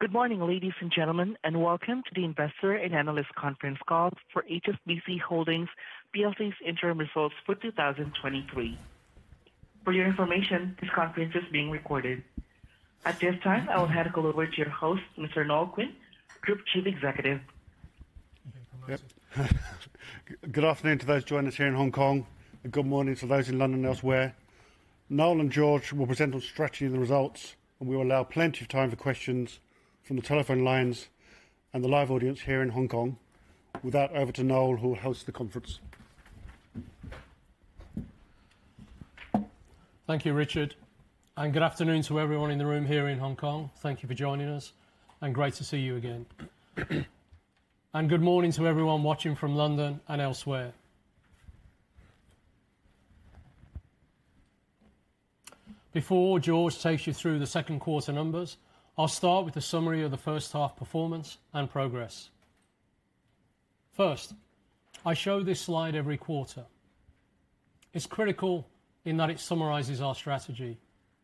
Good morning, ladies and gentlemen, and welcome to the Investor and Analyst Conference Call for HSBC Holdings plc's interim results for 2023. For your information, this conference is being recorded. At this time, I will hand it over to your host, Mr. Noel Quinn, Group Chief Executive. Yep. Good afternoon to those joining us here in Hong Kong, and good morning to those in London and elsewhere. Noel and George will present on strategy and the results, and we will allow plenty of time for questions from the telephone lines and the live audience here in Hong Kong. With that, over to Noel, who will host the conference. Thank you, Richard. Good afternoon to everyone in the room here in Hong Kong. Thank you for joining us, great to see you again. Good morning to everyone watching from London and elsewhere. Before George takes you through the second quarter numbers, I'll start with a summary of the first half performance and progress. First, I show this slide every quarter. It's critical in that it summarizes our strategy.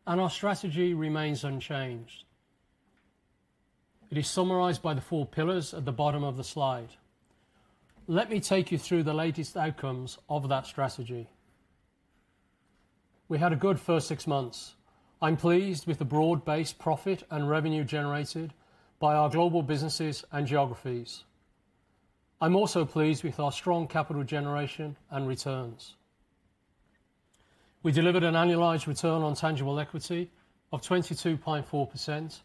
Our strategy remains unchanged. It is summarized by the 4 pillars at the bottom of the slide. Let me take you through the latest outcomes of that strategy. We had a good first 6 months. I'm pleased with the broad-based profit and revenue generated by our global businesses and geographies. I'm also pleased with our strong capital generation and returns. We delivered an annualized return on tangible equity of 22.4%,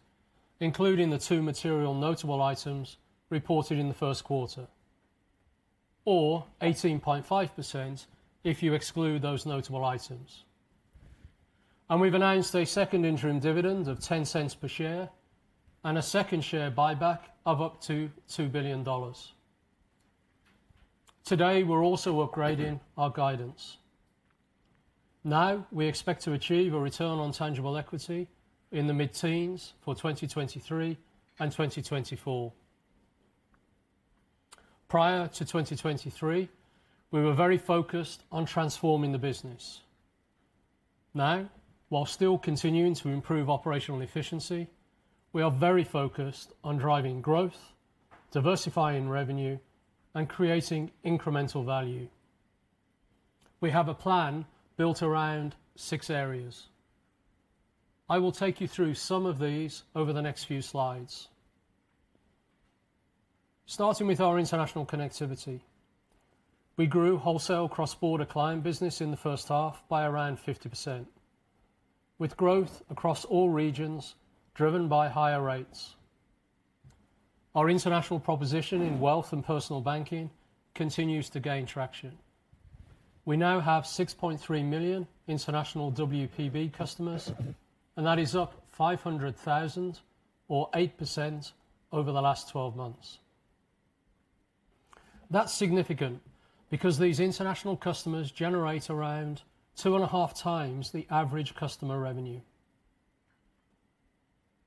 including the two material notable items reported in the first quarter, or 18.5% if you exclude those notable items. We've announced a second interim dividend of $0.10 per share and a second share buyback of up to $2 billion. Today, we're also upgrading our guidance. Now, we expect to achieve a return on tangible equity in the mid-teens for 2023 and 2024. Prior to 2023, we were very focused on transforming the business. Now, while still continuing to improve operational efficiency, we are very focused on driving growth, diversifying revenue, and creating incremental value. We have a plan built around six areas. I will take you through some of these over the next few slides. Starting with our international connectivity, we grew wholesale cross-border client business in the first half by around 50%, with growth across all regions, driven by higher rates. Our international proposition in Wealth and Personal Banking continues to gain traction. We now have 6.3 million international WPB customers, and that is up 500,000, or 8%, over the last 12 months. That's significant because these international customers generate around 2.5 times the average customer revenue.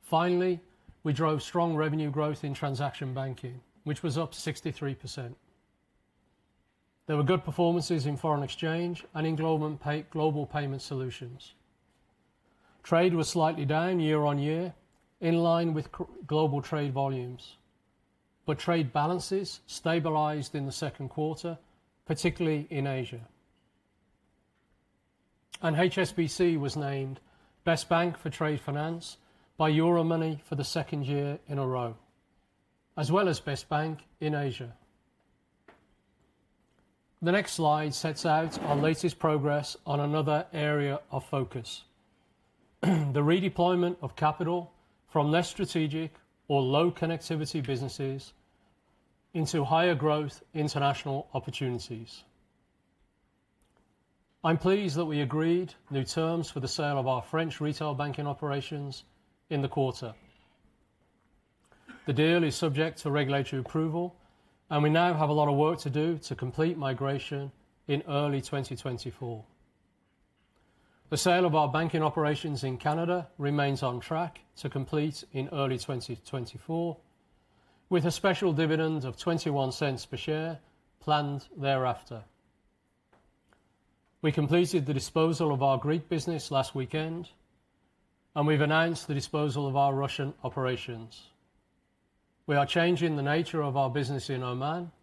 Finally, we drove strong revenue growth in transaction banking, which was up 63%. There were good performances in foreign exchange and in Global Payments Solutions. Trade was slightly down year-on-year, in line with global trade volumes, but trade balances stabilized in the second quarter, particularly in Asia. HSBC was named Best Bank for Trade Finance by Euromoney for the second year in a row, as well as Best Bank in Asia. The next slide sets out our latest progress on another area of focus, the redeployment of capital from less strategic or low connectivity businesses into higher growth international opportunities. I'm pleased that we agreed new terms for the sale of our French retail banking operations in the quarter. The deal is subject to regulatory approval, and we now have a lot of work to do to complete migration in early 2024. The sale of our banking operations in Canada remains on track to complete in early 2024, with a special dividend of $0.21 per share planned thereafter. We completed the disposal of our Greek business last weekend, and we've announced the disposal of our Russian operations. We are changing the nature of our business in Oman,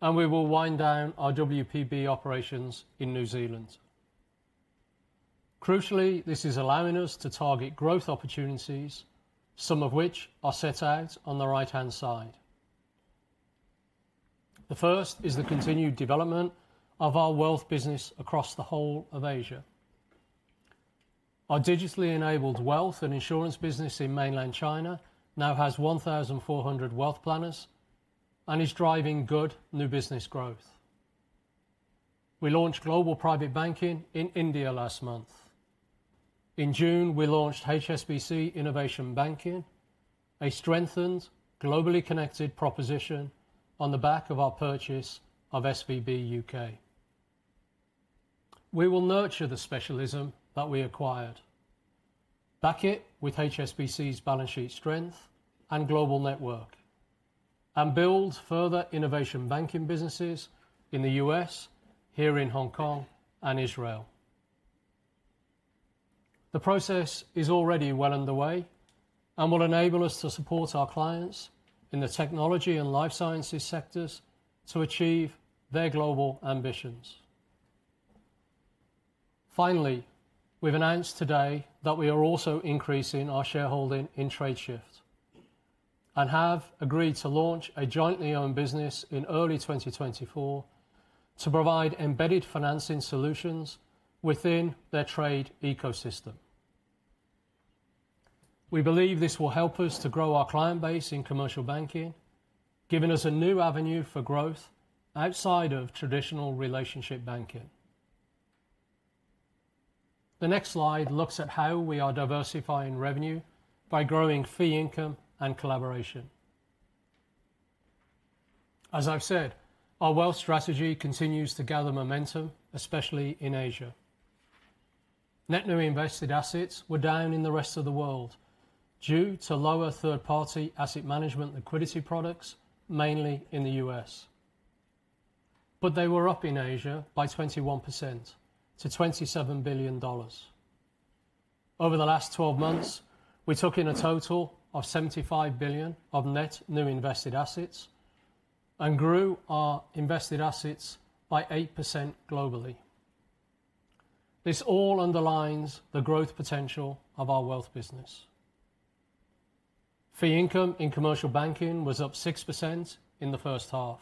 and we will wind down our WPB operations in New Zealand. Crucially, this is allowing us to target growth opportunities, some of which are set out on the right-hand side. The first is the continued development of our wealth business across the whole of Asia. Our digitally enabled wealth and insurance business in mainland China now has 1,400 wealth planners and is driving good new business growth. We launched global private banking in India last month. In June, we launched HSBC Innovation Banking, a strengthened, globally connected proposition on the back of our purchase of SVB UK. We will nurture the specialism that we acquired, back it with HSBC's balance sheet strength and global network, and build further innovation banking businesses in the U.S., here in Hong Kong, and Israel. The process is already well underway and will enable us to support our clients in the technology and life sciences sectors to achieve their global ambitions. Finally, we've announced today that we are also increasing our shareholding in Tradeshift, and have agreed to launch a jointly owned business in early 2024 to provide embedded financing solutions within their trade ecosystem. We believe this will help us to grow our client base in commercial banking, giving us a new avenue for growth outside of traditional relationship banking. The next slide looks at how we are diversifying revenue by growing fee income and collaboration. As I've said, our wealth strategy continues to gather momentum, especially in Asia. Net new invested assets were down in the rest of the world due to lower third-party asset management liquidity products, mainly in the US. They were up in Asia by 21% to $27 billion. Over the last 12 months, we took in a total of $75 billion of net new invested assets and grew our invested assets by 8% globally. This all underlines the growth potential of our wealth business. Fee income in Commercial Banking was up 6% in the first half,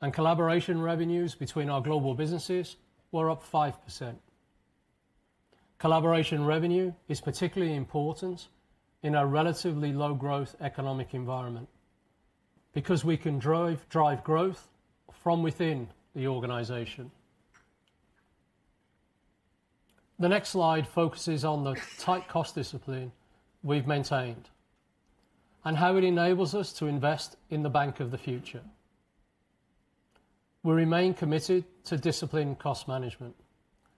and collaboration revenues between our global businesses were up 5%. Collaboration revenue is particularly important in a relatively low growth economic environment because we can drive, drive growth from within the organization. The next slide focuses on the tight cost discipline we've maintained and how it enables us to invest in the bank of the future. We remain committed to disciplined cost management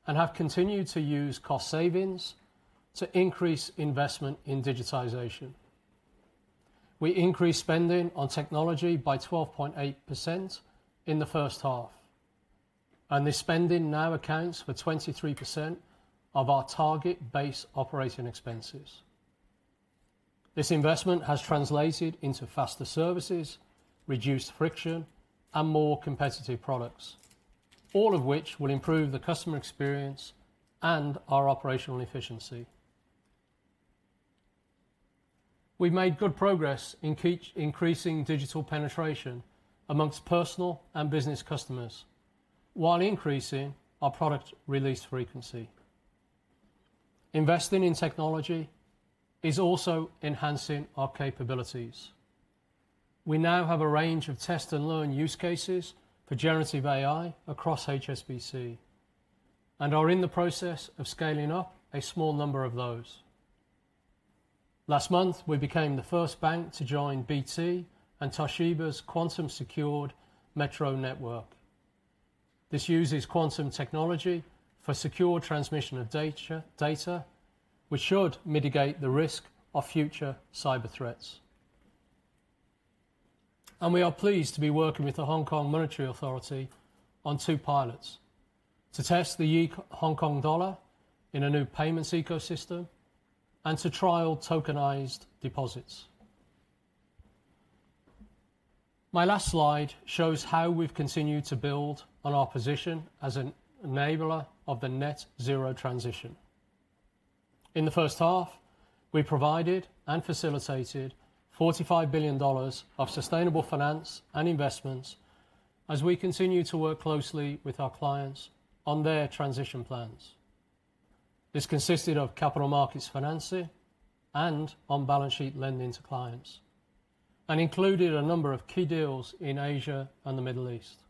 and have continued to use cost savings to increase investment in digitization. We increased spending on technology by 12.8% in the first half, and this spending now accounts for 23% of our target base operating expenses. This investment has translated into faster services, reduced friction, and more competitive products, all of which will improve the customer experience and our operational efficiency. We've made good progress in increasing digital penetration amongst personal and business customers while increasing our product release frequency. Investing in technology is also enhancing our capabilities. We now have a range of test and learn use cases for generative AI across HSBC, and are in the process of scaling up a small number of those. Last month, we became the first bank to join BT and Toshiba's Quantum Secured Metro Network. This uses quantum technology for secure transmission of data, data, which should mitigate the risk of future cyber threats. We are pleased to be working with the Hong Kong Monetary Authority on two pilots: to test the e- Hong Kong dollar in a new payments ecosystem and to trial tokenized deposits. My last slide shows how we've continued to build on our position as an enabler of the net zero transition. In the first half, we provided and facilitated $45 billion of sustainable finance and investments as we continue to work closely with our clients on their transition plans. This consisted of capital markets financing and on-balance sheet lending to clients, and included a number of key deals in Asia and the Middle East.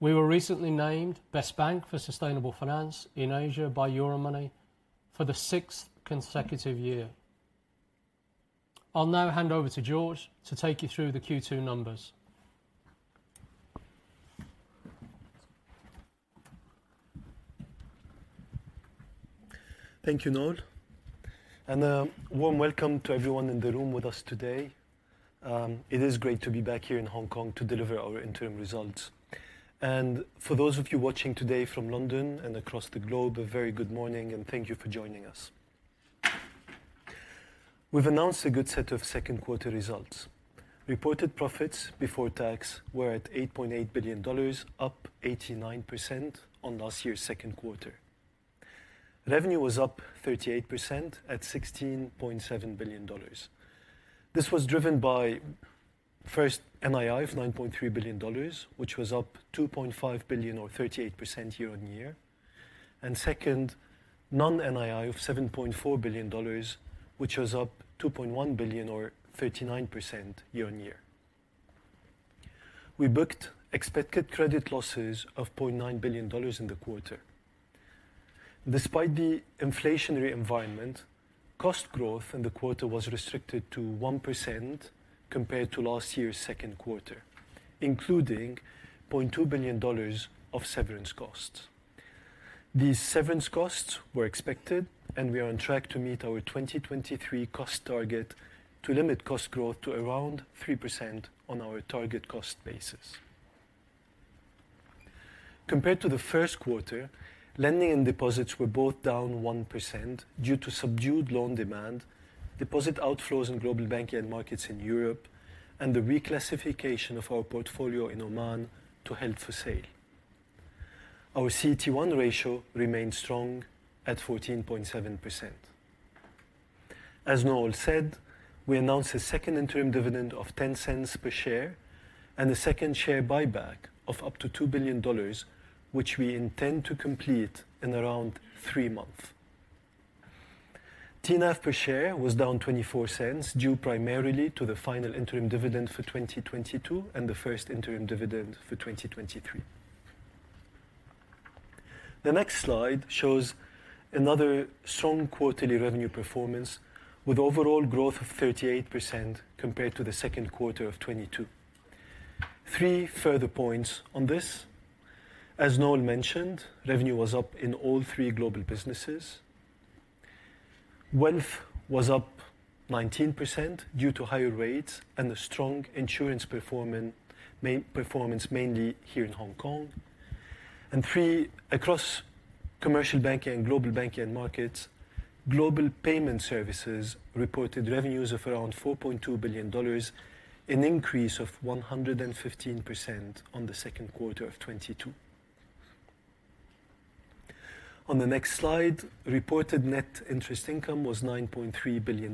We were recently named Best Bank for Sustainable Finance in Asia by Euromoney for the sixth consecutive year. I'll now hand over to Georges to take you through the Q2 numbers. Thank you, Noel. A warm welcome to everyone in the room with us today. It is great to be back here in Hong Kong to deliver our interim results. For those of you watching today from London and across the globe, a very good morning, and thank you for joining us. We've announced a good set of second quarter results. Reported profits before tax were at $8.8 billion, up 89% on last year's second quarter. Revenue was up 38% at $16.7 billion. This was driven by, first, NII of $9.3 billion, which was up $2.5 billion or 38% year-on-year, and second, non-NII of $7.4 billion, which was up $2.1 billion or 39% year-on-year. We booked expected credit losses of $0.9 billion in the quarter. Despite the inflationary environment, cost growth in the quarter was restricted to 1% compared to last year's second quarter, including $0.2 billion of severance costs. These severance costs were expected, and we are on track to meet our 2023 cost target to limit cost growth to around 3% on our target cost basis. Compared to the first quarter, lending and deposits were both down 1% due to subdued loan demand, deposit outflows in Global Banking and Markets in Europe, and the reclassification of our portfolio in Oman to held for sale. Our CET1 ratio remains strong at 14.7%. As Noel said, we announced a second interim dividend of $0.10 per share and a second share buyback of up to $2 billion, which we intend to complete in around three months. TNAV per share was down $0.24, due primarily to the final interim dividend for 2022 and the first interim dividend for 2023. The next slide shows another strong quarterly revenue performance, with overall growth of 38% compared to the second quarter of 2022. Three further points on this: As Noel mentioned, revenue was up in all three global businesses. Wealth was up 19% due to higher rates and a strong insurance performance, mainly here in Hong Kong. Three, across Commercial Banking and Global Banking and Markets, Global Payments Solutions reported revenues of around $4.2 billion, an increase of 115% on the second quarter of 2022. The next slide, reported NII was $9.3 billion,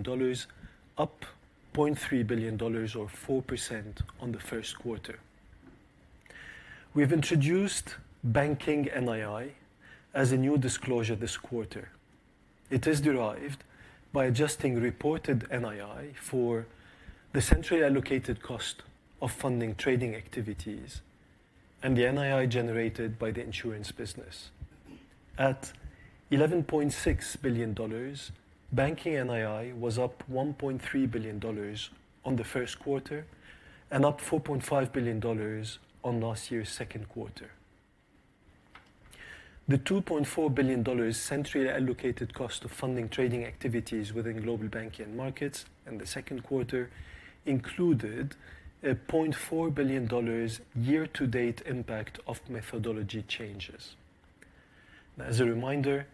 up $0.3 billion, or 4%, on the first quarter. We've introduced Banking NII as a new disclosure this quarter. It is derived by adjusting reported NII for the centrally allocated cost of funding trading activities and the NII generated by the insurance business. At $11.6 billion, Banking NII was up $1.3 billion on the first quarter and up $4.5 billion on last year's second quarter. The $2.4 billion centrally allocated cost of funding trading activities within Global Banking and Markets in the second quarter included a $0.4 billion year-to-date impact of methodology changes. As a reminder,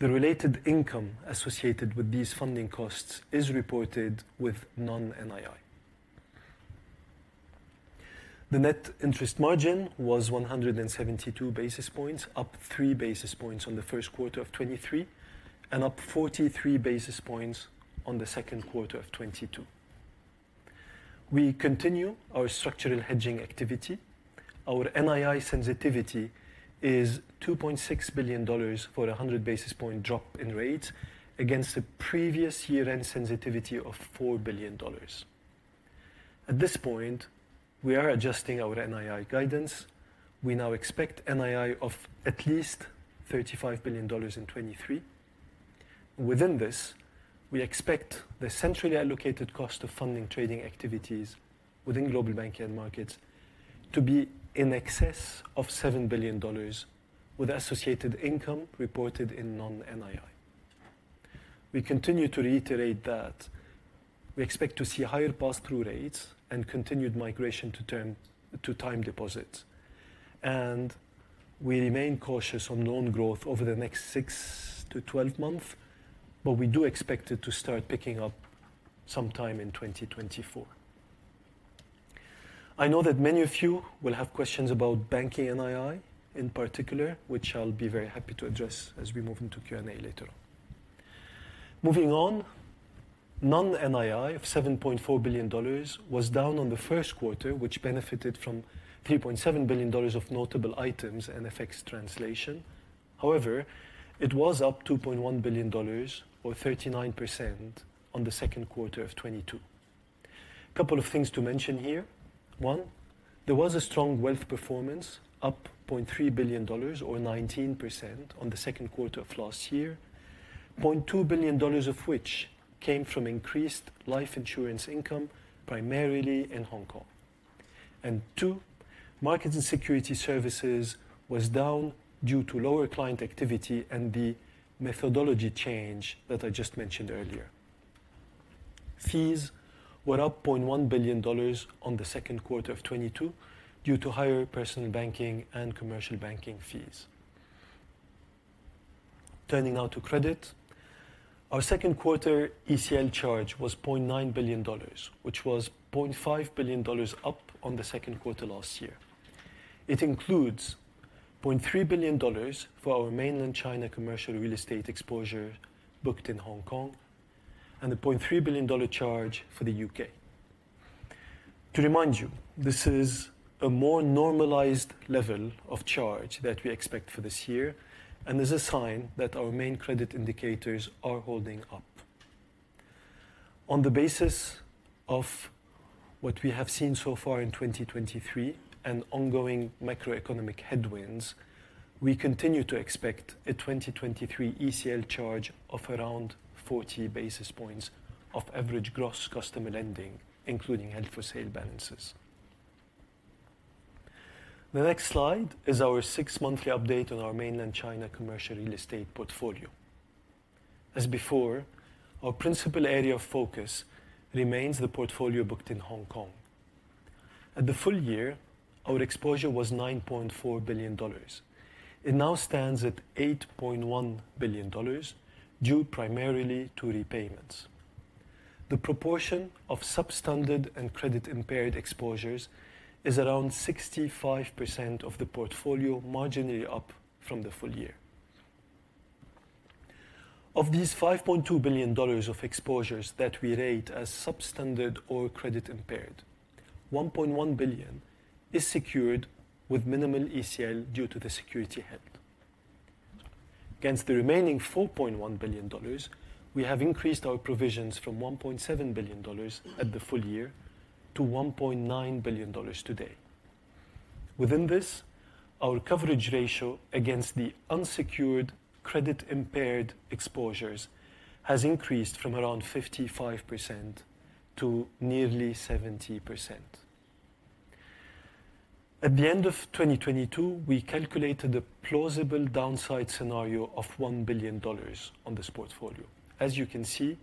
the related income associated with these funding costs is reported with Non-NII. The net interest margin was 172 basis points, up 3 basis points on the first quarter of 2023, and up 43 basis points on the second quarter of 2022. We continue our structural hedging activity. Our NII sensitivity is $2.6 billion for a 100 basis point drop in rates, against a previous year-end sensitivity of $4 billion. At this point, we are adjusting our NII guidance. We now expect NII of at least $35 billion in 2023. Within this, we expect the centrally allocated cost of funding trading activities within Global Banking and Markets to be in excess of $7 billion, with associated income reported in Non-NII. We continue to reiterate that we expect to see higher pass-through rates and continued migration to time deposits, and we remain cautious on loan growth over the next 6-12 months, but we do expect it to start picking up sometime in 2024. I know that many of you will have questions about Banking NII in particular, which I'll be very happy to address as we move into Q&A later on. Moving on, Non-NII of $7.4 billion was down on the first quarter, which benefited from $3.7 billion of notable items and FX translation. However, it was up $2.1 billion, or 39%, on the second quarter of 2022. Couple of things to mention here. One, there was a strong Wealth Management performance, up $0.3 billion, or 19%, on the second quarter of last year, $0.2 billion of which came from increased life insurance income, primarily in Hong Kong. Two, markets and security services was down due to lower client activity and the methodology change that I just mentioned earlier. Fees were up $0.1 billion on the second quarter of 2022 due to higher personal banking and commercial banking fees. Turning now to credit, our second quarter ECL charge was $0.9 billion, which was $0.5 billion up on the second quarter last year. It includes $0.3 billion for our mainland China commercial real estate exposure booked in Hong Kong and a $0.3 billion charge for the UK. To remind you, this is a more normalized level of charge that we expect for this year, and is a sign that our main credit indicators are holding up. On the basis of what we have seen so far in 2023 and ongoing macroeconomic headwinds, we continue to expect a 2023 ECL charge of around 40 basis points of average gross customer lending, including held for sale balances. The next slide is our 6-monthly update on our mainland China commercial real estate portfolio. As before, our principal area of focus remains the portfolio booked in Hong Kong. At the full year, our exposure was $9.4 billion. It now stands at $8.1 billion, due primarily to repayments. The proportion of substandard and credit-impaired exposures is around 65% of the portfolio, marginally up from the full year. Of these $5.2 billion of exposures that we rate as substandard or credit-impaired, $1.1 billion is secured with minimal ECL due to the security held. Against the remaining $4.1 billion, we have increased our provisions from $1.7 billion at the full year to $1.9 billion today. Within this, our coverage ratio against the unsecured credit-impaired exposures has increased from around 55% to nearly 70%. At the end of 2022, we calculated a plausible downside scenario of $1 billion on this portfolio. As you can see,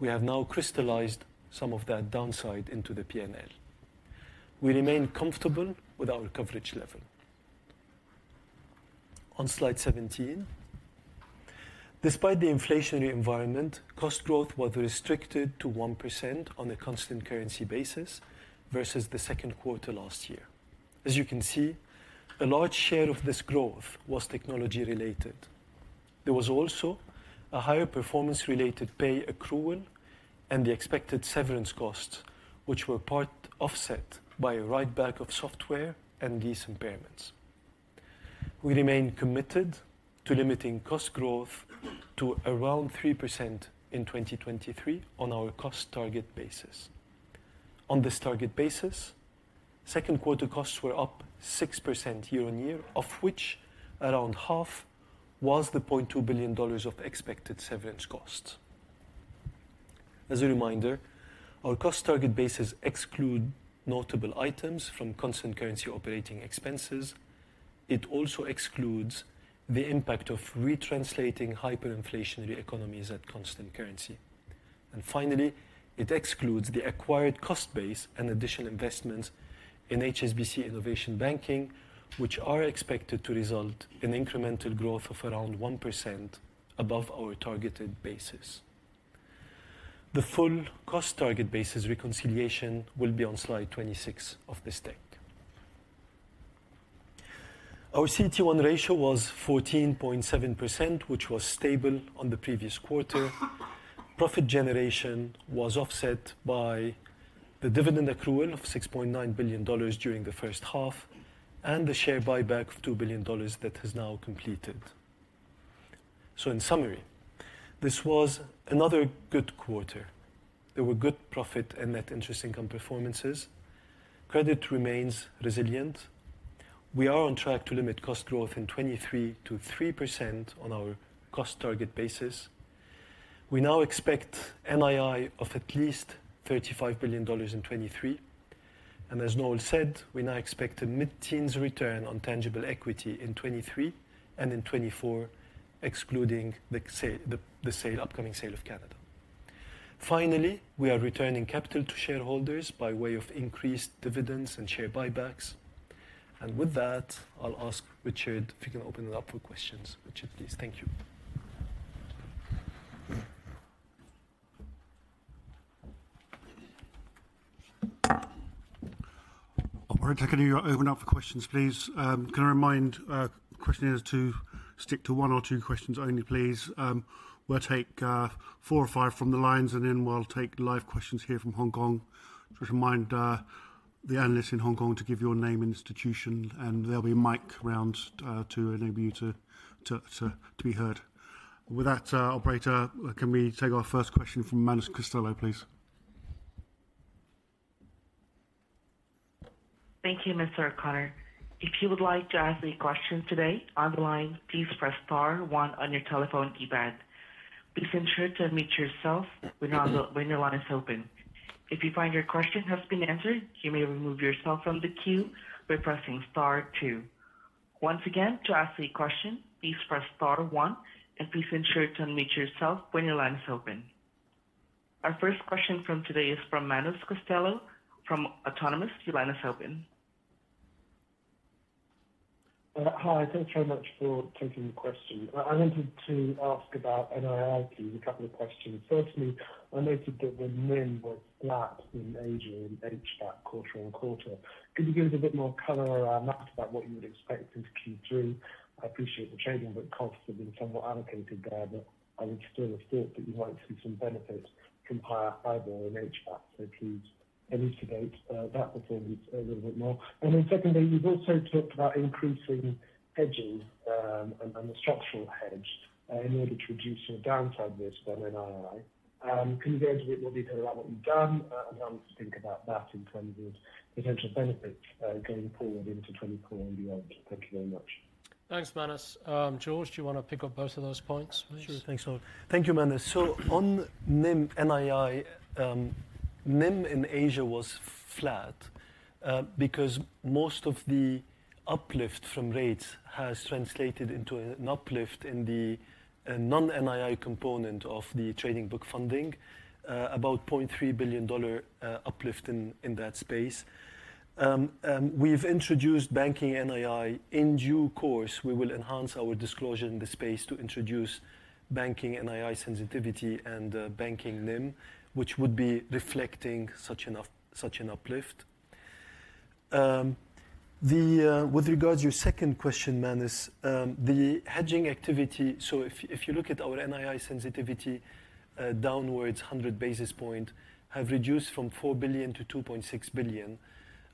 we have now crystallized some of that downside into the PNL. We remain comfortable with our coverage level. On slide 17, despite the inflationary environment, cost growth was restricted to 1% on a constant currency basis versus the second quarter last year. As you can see, a large share of this growth was technology-related. There was also a higher performance-related pay accrual and the expected severance costs, which were part offset by a write-back of software and lease impairments. We remain committed to limiting cost growth to around 3% in 2023 on our cost target basis. On this target basis, second quarter costs were up 6% year on year, of which around half was the $0.2 billion of expected severance costs. As a reminder, our cost target bases exclude notable items from constant currency operating expenses. It also excludes the impact of retranslating hyperinflationary economies at constant currency. Finally, it excludes the acquired cost base and additional investments in HSBC Innovation Banking, which are expected to result in incremental growth of around 1% above our targeted basis. The full cost target basis reconciliation will be on slide 26 of this deck. Our CET1 ratio was 14.7%, which was stable on the previous quarter. Profit generation was offset by the dividend accrual of $6.9 billion during the first half and the share buyback of $2 billion that has now completed. In summary, this was another good quarter. There were good profit and net interest income performances. Credit remains resilient. We are on track to limit cost growth in 2023 to 3% on our cost target basis. We now expect NII of at least $35 billion in 2023, as Noel said, we now expect a mid-teens return on tangible equity in 2023 and in 2024, excluding upcoming sale of Canada. Finally, we are returning capital to shareholders by way of increased dividends and share buybacks. With that, I'll ask Richard if we can open it up for questions. Richard, please. Thank you. Operator, can you open up for questions, please? Can I remind questioners to stick to 1 or 2 questions only, please. We'll take 4 or 5 from the lines, and then we'll take live questions here from Hong Kong. Just remind the analysts in Hong Kong to give your name and institution, and there'll be a mic round to enable you to be heard. With that, operator, can we take our first question from Manus Costelloe, please? Thank you, Mr. O'Connor. If you would like to ask any questions today on the line, please press star one on your telephone keypad. Please ensure to unmute yourself when your line is open. If you find your question has been answered, you may remove yourself from the queue by pressing star two. Once again, to ask a question, please press star one, and please ensure to unmute yourself when your line is open. Our first question from today is from Manus Costelloe, from Autonomous. Your line is open. Hi. Thanks very much for taking the question. I wanted to ask about NII, a couple of questions. Firstly, I noted that the NIM was flat in Asia and HSBC quarter-on-quarter. Can you give us a bit more color around that, about what you would expect in Q3? I appreciate the changes, costs have been somewhat allocated there, but I would still have thought that you might see some benefits from higher fiber in HSBC. Please elucidate that performance a little bit more. Then secondly, you've also talked about increasing hedging, and the structural hedge in order to reduce your downside risk on NII. Can you go into a bit more detail about what you've done, and how to think about that in terms of potential benefits going forward into 2024 and beyond? Thank you very much.... Thanks, Manus. Georges, do you want to pick up both of those points, please? Sure. Thanks, all. Thank you, Manus. On NIM, NII, NIM in Asia was flat because most of the uplift from rates has translated into an uplift in the Non-NII component of the trading book funding, about $0.3 billion uplift in that space. We've introduced Banking NII. In due course, we will enhance our disclosure in the space to introduce Banking NII sensitivity and Banking NIM, which would be reflecting such an uplift. With regards to your second question, Manus, the hedging activity, so if you, if you look at our NII sensitivity, downwards 100 basis points, have reduced from $4 billion to 2.6 billion.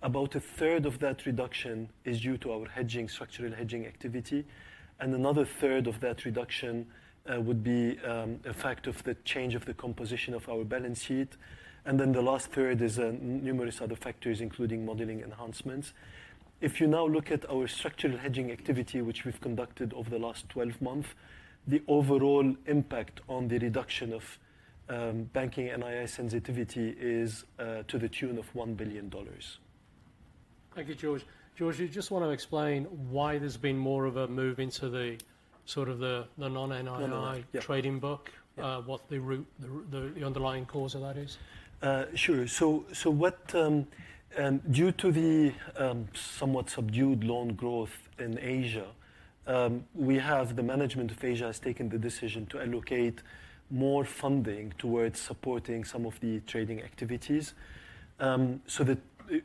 About a third of that reduction is due to our hedging, structural hedging activity, and another third of that reduction would be effect of the change of the composition of our balance sheet. The last third is numerous other factors, including modeling enhancements. If you now look at our structural hedging activity, which we've conducted over the last 12 months, the overall impact on the reduction of Banking NII sensitivity is to the tune of $1 billion. Thank you, George. George, you just want to explain why there's been more of a move into the sort of the non-NII... Non-NII, yeah. -trading book, what the root, the underlying cause of that is? Sure. So what, due to the somewhat subdued loan growth in Asia, we have-- the management of Asia has taken the decision to allocate more funding towards supporting some of the trading activities. So the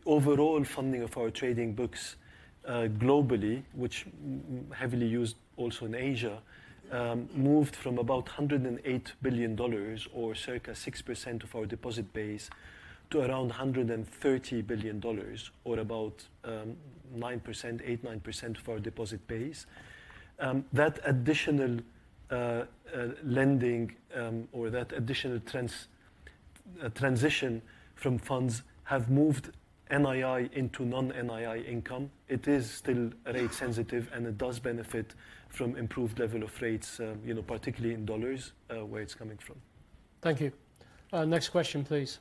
overall funding of our trading books, globally, which heavily used also in Asia, moved from about $108 billion or circa 6% of our deposit base, to around $130 billion, or about 8 to 9% of our deposit base. That additional lending, or that additional trans- transition from funds have moved NII into non-NII income. It is still rate sensitive, and it does benefit from improved level of rates, you know, particularly in US dollars, where it's coming from. Thank you. Next question, please.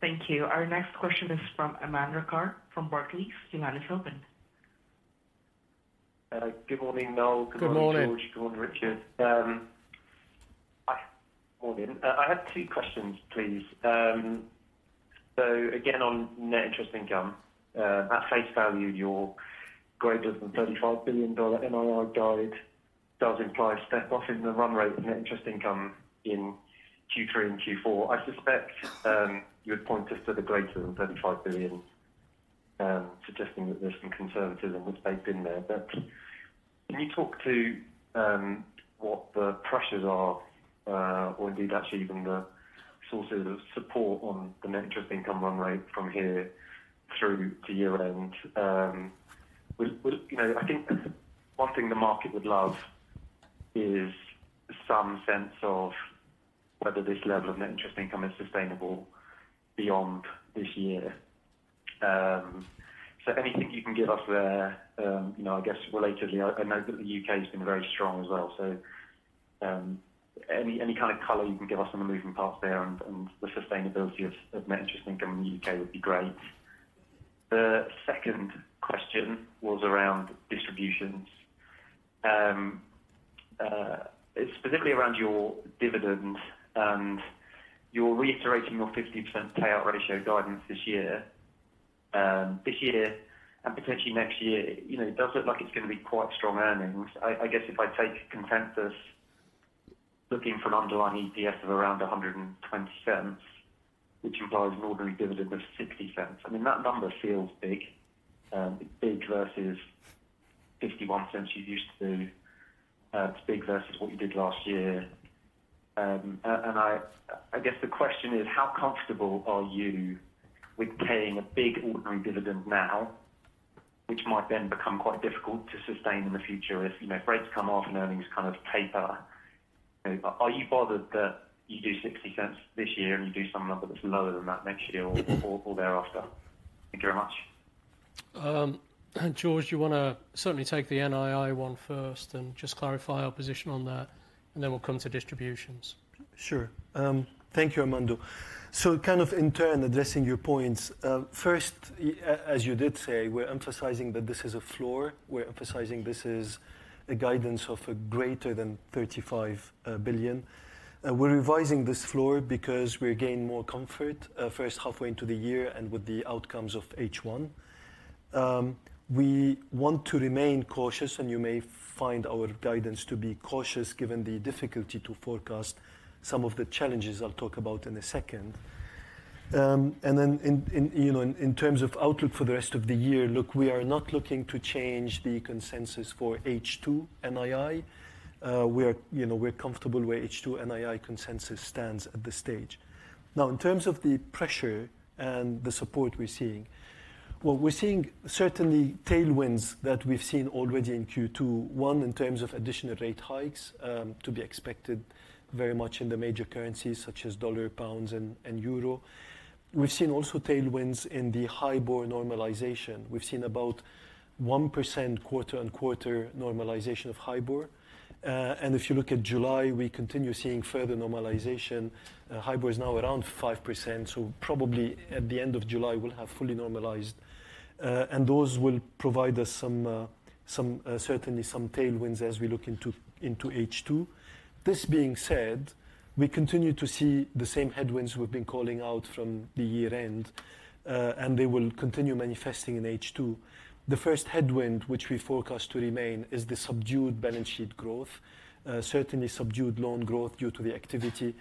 Thank you. Our next question is from Aman Rakkar from Barclays. Your line is open. Good morning, Noel. Good morning. Good morning, George. Good morning, Richard. Hi, morning. I had two questions, please. Again, on net interest income, at face value, your greater than $35 billion NII guide does imply a step off in the run rate of net interest income in Q3 and Q4. I suspect you would point us to the greater than $35 billion, suggesting that there's some conservatism which may have been there. Can you talk to what the pressures are, or indeed, actually even the sources of support on the net interest income run rate from here through to year-end? Well, well, you know, I think one thing the market would love is some sense of whether this level of net interest income is sustainable beyond this year. Anything you can give us there, you know, I guess relatedly, I, I know that the UK has been very strong as well. Any kind of color you can give us on the moving parts there and the sustainability of Net Interest Income in the UK would be great. The second question was around distributions. It's specifically around your dividends, and you're reiterating your 50% payout ratio guidance this year, this year and potentially next year. You know, it does look like it's going to be quite strong earnings. I, I guess if I take consensus, looking for an underlying EPS of around $1.20, which implies an ordinary dividend of $0.60. I mean, that number feels big, it's big versus $0.51 you used to, it's big versus what you did last year. I, I guess the question is: How comfortable are you with paying a big ordinary dividend now, which might then become quite difficult to sustain in the future if, you know, rates come off and earnings kind of taper? Are you bothered that you do $0.60 this year and you do some number that's lower than that next year or, or, or thereafter? Thank you very much. Georges, you want to certainly take the NII one first and just clarify our position on that, and then we'll come to distributions. Sure. Thank you, Amanda. Kind of in turn, addressing your points, first, as you did say, we're emphasizing that this is a floor. We're emphasizing this is a guidance of greater than $35 billion. We're revising this floor because we're gaining more comfort, first halfway into the year and with the outcomes of H1. We want to remain cautious, and you may find our guidance to be cautious, given the difficulty to forecast some of the challenges I'll talk about in a second. And then in, in, you know, in, in terms of outlook for the rest of the year, look, we are not looking to change the consensus for H2 NII. We're, you know, we're comfortable where H2 NII consensus stands at this stage. Now, in terms of the pressure and the support we're seeing, what we're seeing, certainly tailwinds that we've seen already in Q2, one, in terms of additional rate hikes, to be expected very much in the major currencies, such as dollar, pounds, and, and euro. We've seen also tailwinds in the HIBOR normalization. We've seen about 1% quarter-on-quarter normalization of HIBOR. If you look at July, we continue seeing further normalization. HIBOR is now around 5%, so probably at the end of July, we'll have fully normalized. Those will provide us some, some, certainly some tailwinds as we look into, into H2. This being said, we continue to see the same headwinds we've been calling out from the year-end, and they will continue manifesting in H2. The first headwind, which we forecast to remain, is the subdued balance sheet growth, certainly subdued loan growth due to the activity.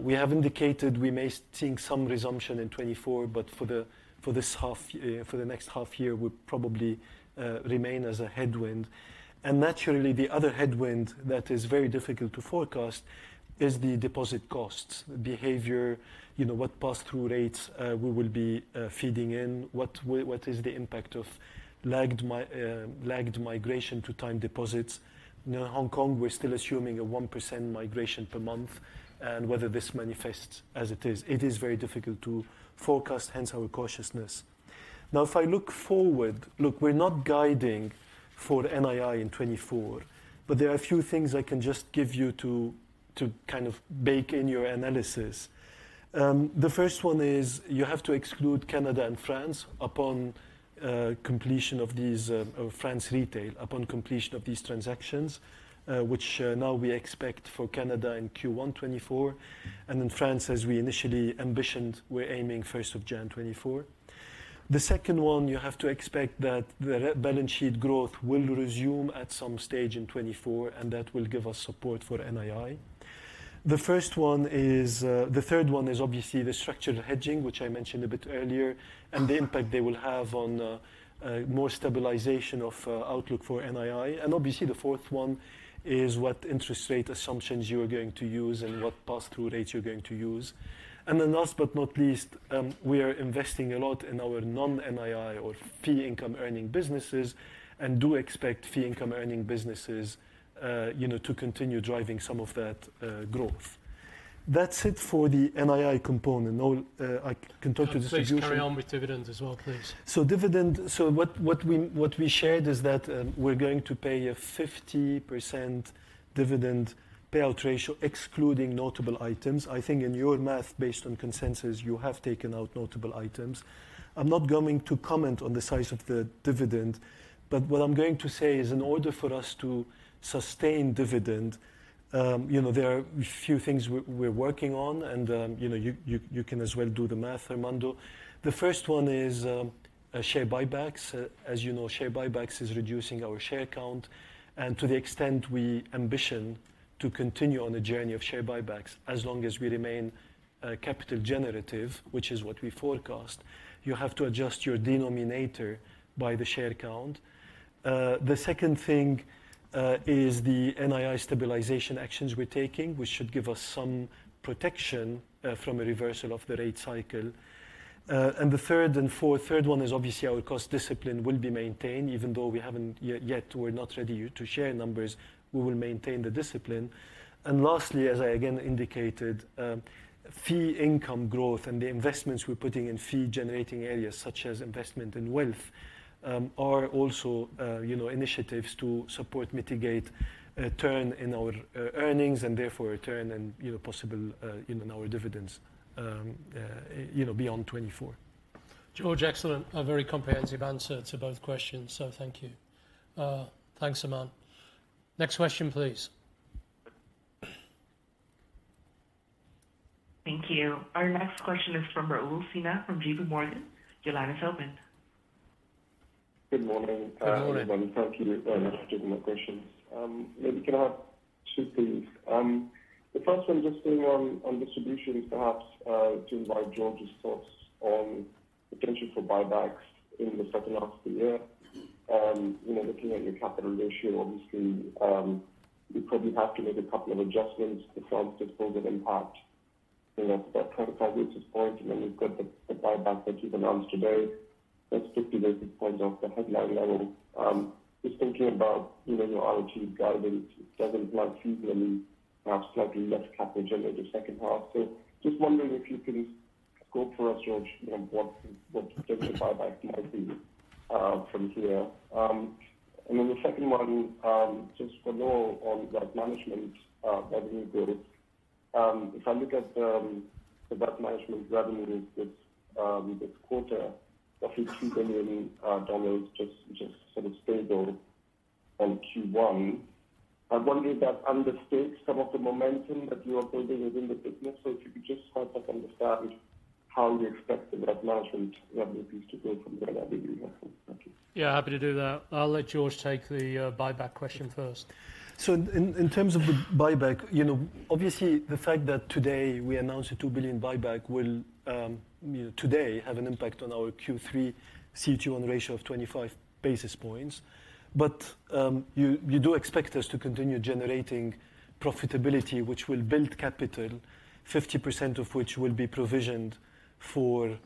We have indicated we may see some resumption in 2024, but for this half year, for the next half year, will probably remain as a headwind. Naturally, the other headwind that is very difficult to forecast is the deposit costs, behavior, you know, what pass-through rates we will be feeding in, what is the impact of lagged migration to time deposits. In Hong Kong, we're still assuming a 1% migration per month, and whether this manifests as it is. It is very difficult to forecast, hence our cautiousness. Now, if I look forward, look, we're not guiding for NII in 2024, but there are a few things I can just give you to, to kind of bake in your analysis. The first one is you have to exclude Canada and France upon completion of these of France retail, upon completion of these transactions, which now we expect for Canada in Q1 2024, and in France, as we initially ambitioned, we're aiming 1st of January 2024. The second one, you have to expect that the balance sheet growth will resume at some stage in 2024, and that will give us support for NII. The first one is the third one is obviously the structured hedging, which I mentioned a bit earlier, and the impact they will have on more stabilization of outlook for NII. Obviously, the fourth one is what interest rate assumptions you are going to use and what pass-through rates you're going to use. Last but not least, we are investing a lot in our non-NII or fee income-earning businesses, and do expect fee income-earning businesses, you know, to continue driving some of that growth. That's it for the NII component. Now, I can talk to distribution- Please carry on with dividends as well, please. Dividend, so what, what we, what we shared is that we're going to pay a 50% dividend payout ratio, excluding notable items. I think in your math, based on consensus, you have taken out notable items. I'm not going to comment on the size of the dividend, but what I'm going to say is, in order for us to sustain dividend, you know, there are a few things we, we're working on, and, you know, you, you, you can as well do the math, Armando. The first one is share buybacks. As you know, share buybacks is reducing our share count, and to the extent we ambition to continue on the journey of share buybacks, as long as we remain capital generative, which is what we forecast, you have to adjust your denominator by the share count. The second thing is the NII stabilization actions we're taking, which should give us some protection from a reversal of the rate cycle. The third and fourth, third one is obviously our cost discipline will be maintained, even though we haven't yet we're not ready to share numbers, we will maintain the discipline. Lastly, as I again indicated, fee income growth and the investments we're putting in fee-generating areas, such as investment in wealth, are also, you know, initiatives to support, mitigate a turn in our earnings and therefore a return and, you know, possible in our dividends, you know, beyond 2024. Georges, excellent. A very comprehensive answer to both questions, so thank you. Thanks, Raul. Next question, please. Thank you. Our next question is from Raul Sinha from JP Morgan. Your line is open. Good morning. Good morning. Everybody. Thank you for taking my questions. Maybe can I have 2, please? The first one, just staying on, on distribution, is perhaps to invite Georges' thoughts on the potential for buybacks in the second half of the year. You know, looking at your capital ratio, obviously, you probably have to make a couple of adjustments to solve this COVID impact. You know, that 25 basis point, and then you've got the, the buyback that you've announced today, that's 50 basis points off the headline level. Just thinking about, you know, your RWA guidance, it doesn't like usually mean perhaps slightly less capital in the second half. Just wondering if you can scope for us, Georges, you know, what, what the buyback might be from here? Then the second one, just for Raul Sinha on that management, revenue growth. If I look at the debt management revenue this quarter, roughly $2 billion just sort of stable on Q1. I wonder if that understates some of the momentum that you are building within the business? If you could just help us understand how you expect the debt management revenues to grow from where that is? Thank you. Yeah, happy to do that. I'll let Georges take the buyback question first. In, in terms of the buyback, you know, obviously, the fact that today we announced a $2 billion buyback will, you know, today have an impact on our Q3 CET1 ratio of 25 basis points. You, you do expect us to continue generating profitability, which will build capital, 50% of which will be provisioned for,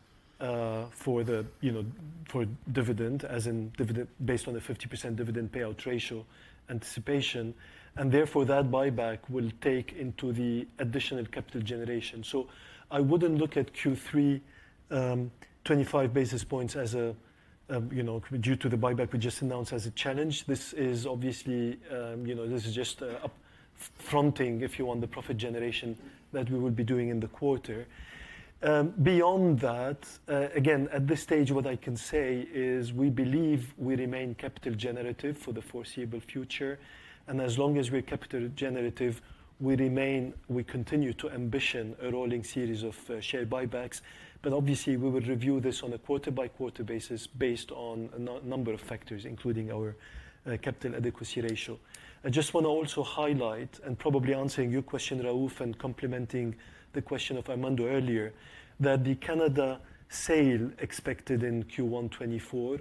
for the, you know, for dividend, as in dividend based on the 50% dividend payout ratio anticipation, and therefore, that buyback will take into the additional capital generation. I wouldn't look at Q3, 25 basis points as a, you know, due to the buyback we just announced, as a challenge. This is obviously, you know, this is just a fronting, if you want the profit generation that we would be doing in the quarter. Beyond that, again, at this stage, what I can say is we believe we remain capital generative for the foreseeable future, and as long as we're capital generative, we continue to ambition a rolling series of share buybacks. Obviously, we will review this on a quarter-by-quarter basis based on a number of factors, including our capital adequacy ratio. I just wanna also highlight, and probably answering your question, Raul Sinha, and complementing the question of Raul Sinha earlier, that the Canada sale expected in Q1 2024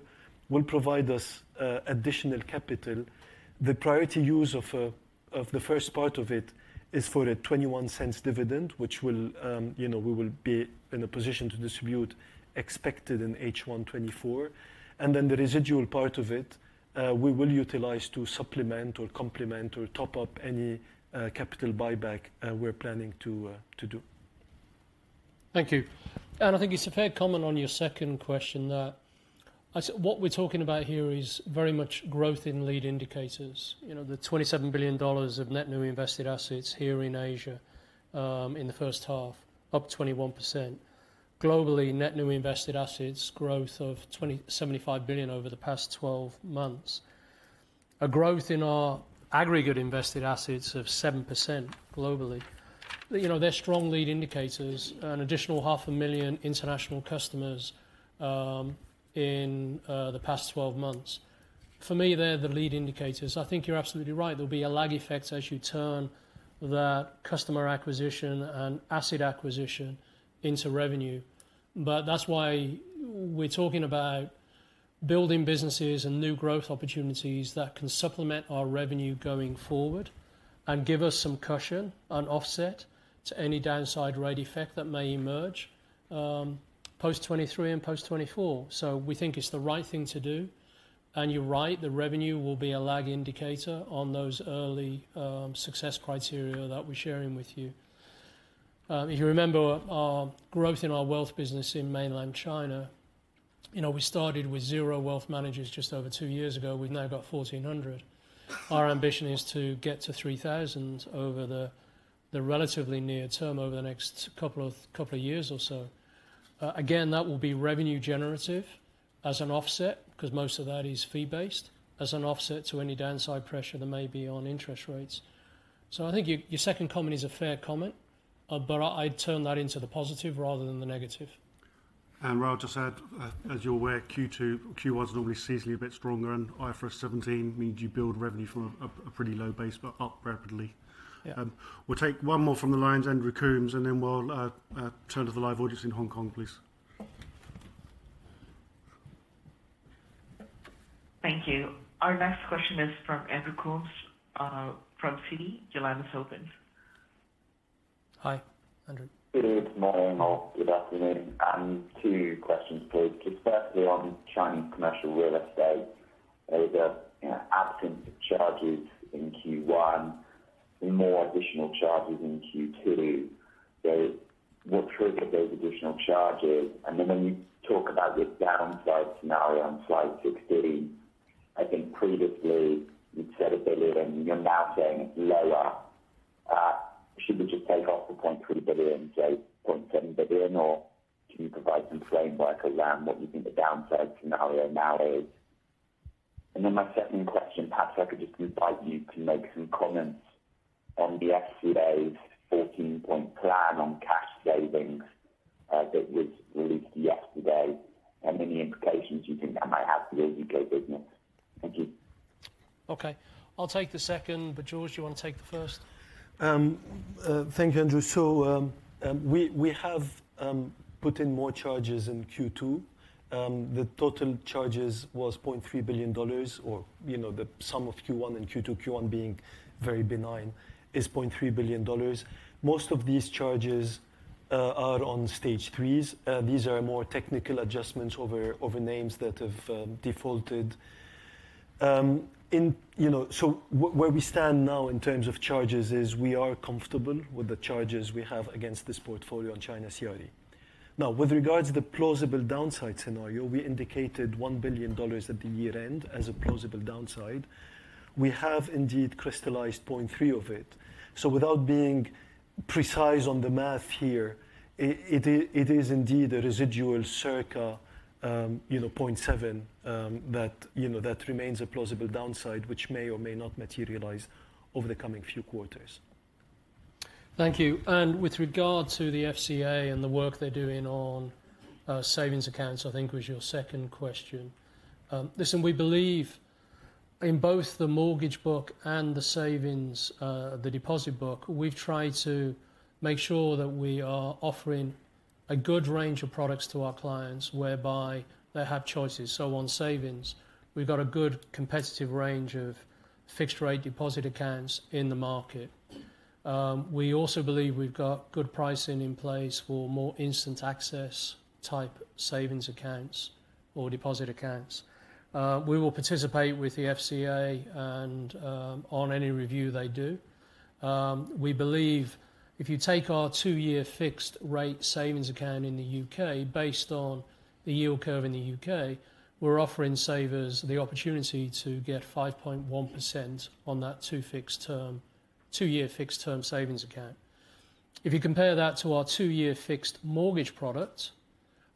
will provide us additional capital. The priority use of the first part of it is for a $0.21 dividend, which will, you know, we will be in a position to distribute, expected in H1 2024. Then the residual part of it, we will utilize to supplement, or complement, or top up any capital buyback we're planning to do. Thank you. I think it's a fair comment on your second question that what we're talking about here is very much growth in lead indicators. You know, the $27 billion of net new invested assets here in Asia, in the first half, up 21%. Globally, net new invested assets growth of $75 billion over the past 12 months. A growth in our aggregate invested assets of 7% globally. You know, they're strong lead indicators, an additional 500,000 international customers, in the past 12 months. For me, they're the lead indicators. I think you're absolutely right. There'll be a lag effect as you turn that customer acquisition and asset acquisition into revenue. That's why we're talking about building businesses and new growth opportunities that can supplement our revenue going forward and give us some cushion and offset to any downside rate effect that may emerge, post 2023 and post 2024. We think it's the right thing to do, and you're right, the revenue will be a lag indicator on those early success criteria that we're sharing with you. If you remember our growth in our Wealth business in mainland China, you know, we started with zero wealth managers just over two years ago, we've now got 1,400. Our ambition is to get to 3,000 over the relatively near term, over the next couple of years or so. Again, that will be revenue generative as an offset, 'cause most of that is fee-based, as an offset to any downside pressure there may be on interest rates. I think your, your second comment is a fair comment, but I, I'd turn that into the positive rather than the negative. I'll just add, as you're aware, Q1 is normally seasonally a bit stronger, and IFRS 17 means you build revenue from a pretty low base, but up rapidly. Yeah. We'll take one more from the lines, Andrew Coombs, and then we'll turn to the live audience in Hong Kong, please. Thank you. Our next question is from Andrew Coombs from Citi. Your line is open. Hi, Andrew. Good morning, or good afternoon. Two questions, please. Just firstly, on Chinese Commercial Real Estate, there's a, you know, absence of charges in Q1 and more additional charges in Q2. What triggered those additional charges? When you talk about this downside scenario on slide 60, I think previously you'd said $1 billion, and you're now saying it's lower. Should we just take off the $0.2 billion, so $0.7 billion, or can you provide some framework around what you think the downside scenario now is? My second question, perhaps I could just invite you to make some comments on the FCA's 14-point plan on cash savings that was released yesterday, and any implications you think that might have for the U.K. business. Thank you. Okay. I'll take the second, but, Georges, you want to take the first? Thank you, Andrew. We have put in more charges in Q2. The total charges was $0.3 billion, or, you know, the sum of Q1 and Q2, Q1 being very benign, is $0.3 billion. Most of these charges are on Stage 3s. These are more technical adjustments over, over names that have defaulted. You know, where we stand now in terms of charges is we are comfortable with the charges we have against this portfolio on China CRE. Now, with regards to the plausible downside scenario, we indicated $1 billion at the year-end as a plausible downside. We have indeed crystallized $0.3 of it. Without being precise on the math here, it, it, it is indeed a residual circa, you know, $0.7 billion, that, you know, that remains a plausible downside, which may or may not materialize over the coming few quarters. Thank you. With regard to the FCA and the work they're doing on savings accounts, I think was your second question. Listen, we believe in both the mortgage book and the savings, the deposit book, we've tried to make sure that we are offering a good range of products to our clients, whereby they have choices. On savings, we've got a good competitive range of fixed-rate deposit accounts in the market. We also believe we've got good pricing in place for more instant access type savings accounts or deposit accounts. We will participate with the FCA and on any review they do. We believe if you take our 2-year fixed rate savings account in the UK, based on the yield curve in the UK, we're offering savers the opportunity to get 5.1% on that 2-year fixed term savings account. If you compare that to our 2-year fixed mortgage product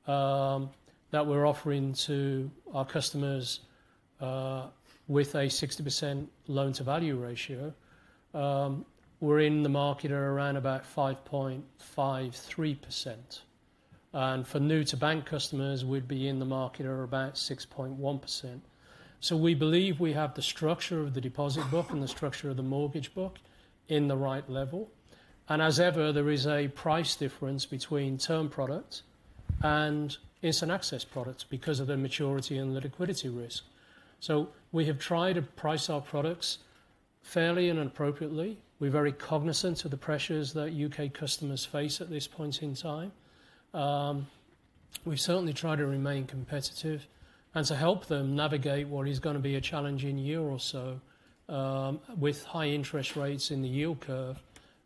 that we're offering to our customers with a 60% loan-to-value ratio, we're in the market at around about 5.53%. For new to bank customers, we'd be in the market at about 6.1%. We believe we have the structure of the deposit book and the structure of the mortgage book in the right level. As ever, there is a price difference between term products and instant access products because of their maturity and the liquidity risk. We have tried to price our products fairly and appropriately. We're very cognizant of the pressures that UK customers face at this point in time. We've certainly tried to remain competitive and to help them navigate what is going to be a challenging year or so, with high interest rates in the yield curve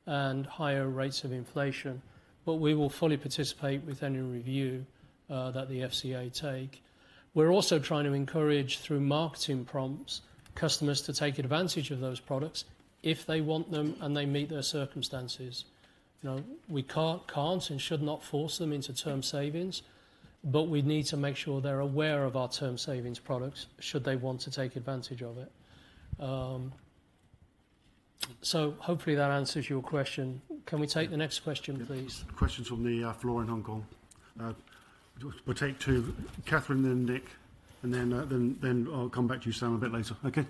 and higher rates of inflation. We will fully participate with any review that the FCA take. We're also trying to encourage, through marketing prompts, customers to take advantage of those products if they want them, and they meet their circumstances. You know, we can't, can't and should not force them into term savings, but we need to make sure they're aware of our term savings products should they want to take advantage of it. Hopefully that answers your question. Can we take the next question, please? Questions from the floor in Hong Kong. We'll take two, Katherine and then Nick, and then I'll come back to you, Sam, a bit later. Okay.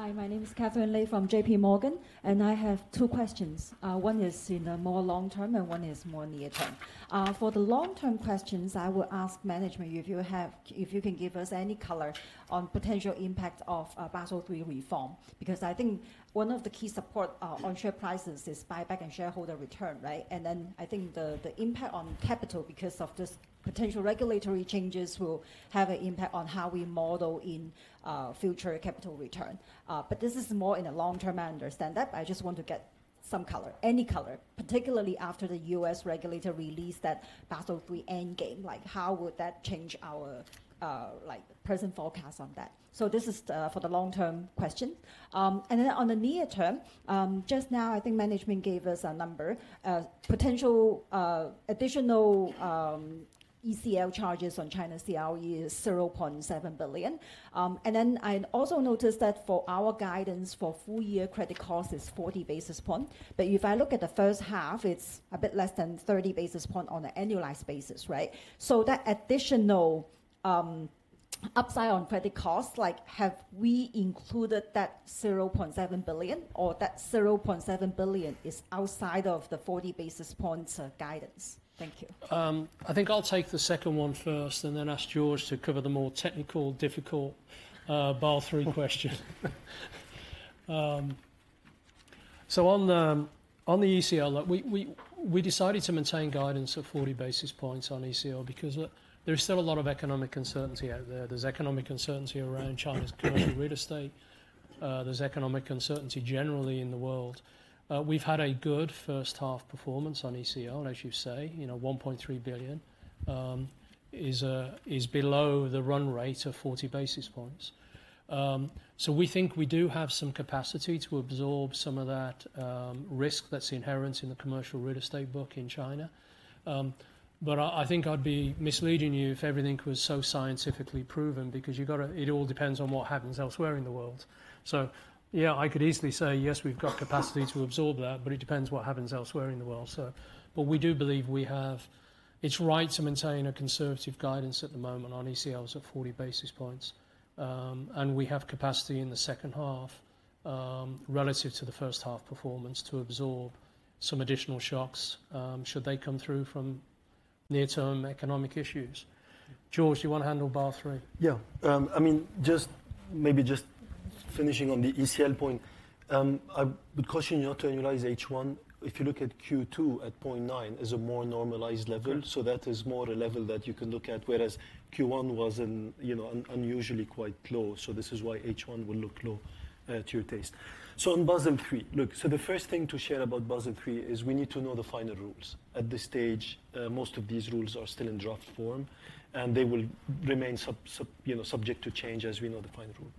Hi, my name is Katherine Lei from JPMorgan, and I have two questions. One is in the more long term, and one is more near term. For the long-term questions, I would ask management if you can give us any color on potential impact of Basel III reform. Because I think one of the key support on share prices is buyback and shareholder return, right? I think the impact on capital because of this potential regulatory changes will have an impact on how we model in future capital return. This is more in the long term, I understand that. I just want to get some color, any color, particularly after the U.S. regulator released that Basel III endgame. Like, how would that change our, like, present forecast on that? This is for the long-term question. On the near term, just now, I think management gave us a number, potential additional ECL charges on China CRE is $0.7 billion. I also noticed that for our guidance for full-year credit costs is 40 basis point. If I look at the first half, it's a bit less than 30 basis point on an annualized basis, right? That additional upside on credit costs, like have we included that $0.7 billion or that $0.7 billion is outside of the 40 basis points guidance? Thank you. I think I'll take the second one first and then ask Georges to cover the more technical, difficult, Basel III question. On the, on the ECL, we decided to maintain guidance of 40 basis points on ECL because there's still a lot of economic uncertainty out there. There's economic uncertainty around China's commercial real estate. There's economic uncertainty generally in the world. We've had a good first half performance on ECL, as you say, you know, $1.3 billion is below the run rate of 40 basis points. We think we do have some capacity to absorb some of that risk that's inherent in the commercial real estate book in China. I, I think I'd be misleading you if everything was so scientifically proven, because you've got to-- it all depends on what happens elsewhere in the world. Yeah, I could easily say, "Yes, we've got capacity to absorb that," but it depends what happens elsewhere in the world, so. We do believe we have... It's right to maintain a conservative guidance at the moment on ECLs at 40 basis points, and we have capacity in the second half, relative to the first half performance, to absorb some additional shocks, should they come through from near-term economic issues. George, you want to handle Basel III? Yeah. I mean, just maybe just finishing on the ECL point. I would caution you not to annualize H1. If you look at Q2 at 0.9 is a more normalized level. Yeah. That is more a level that you can look at, whereas Q1 was in, you know, unusually quite low. This is why H1 will look low to your taste. On Basel III, look, the first thing to share about Basel III is we need to know the final rules. At this stage, most of these rules are still in draft form, and they will remain, you know, subject to change as we know the final rule.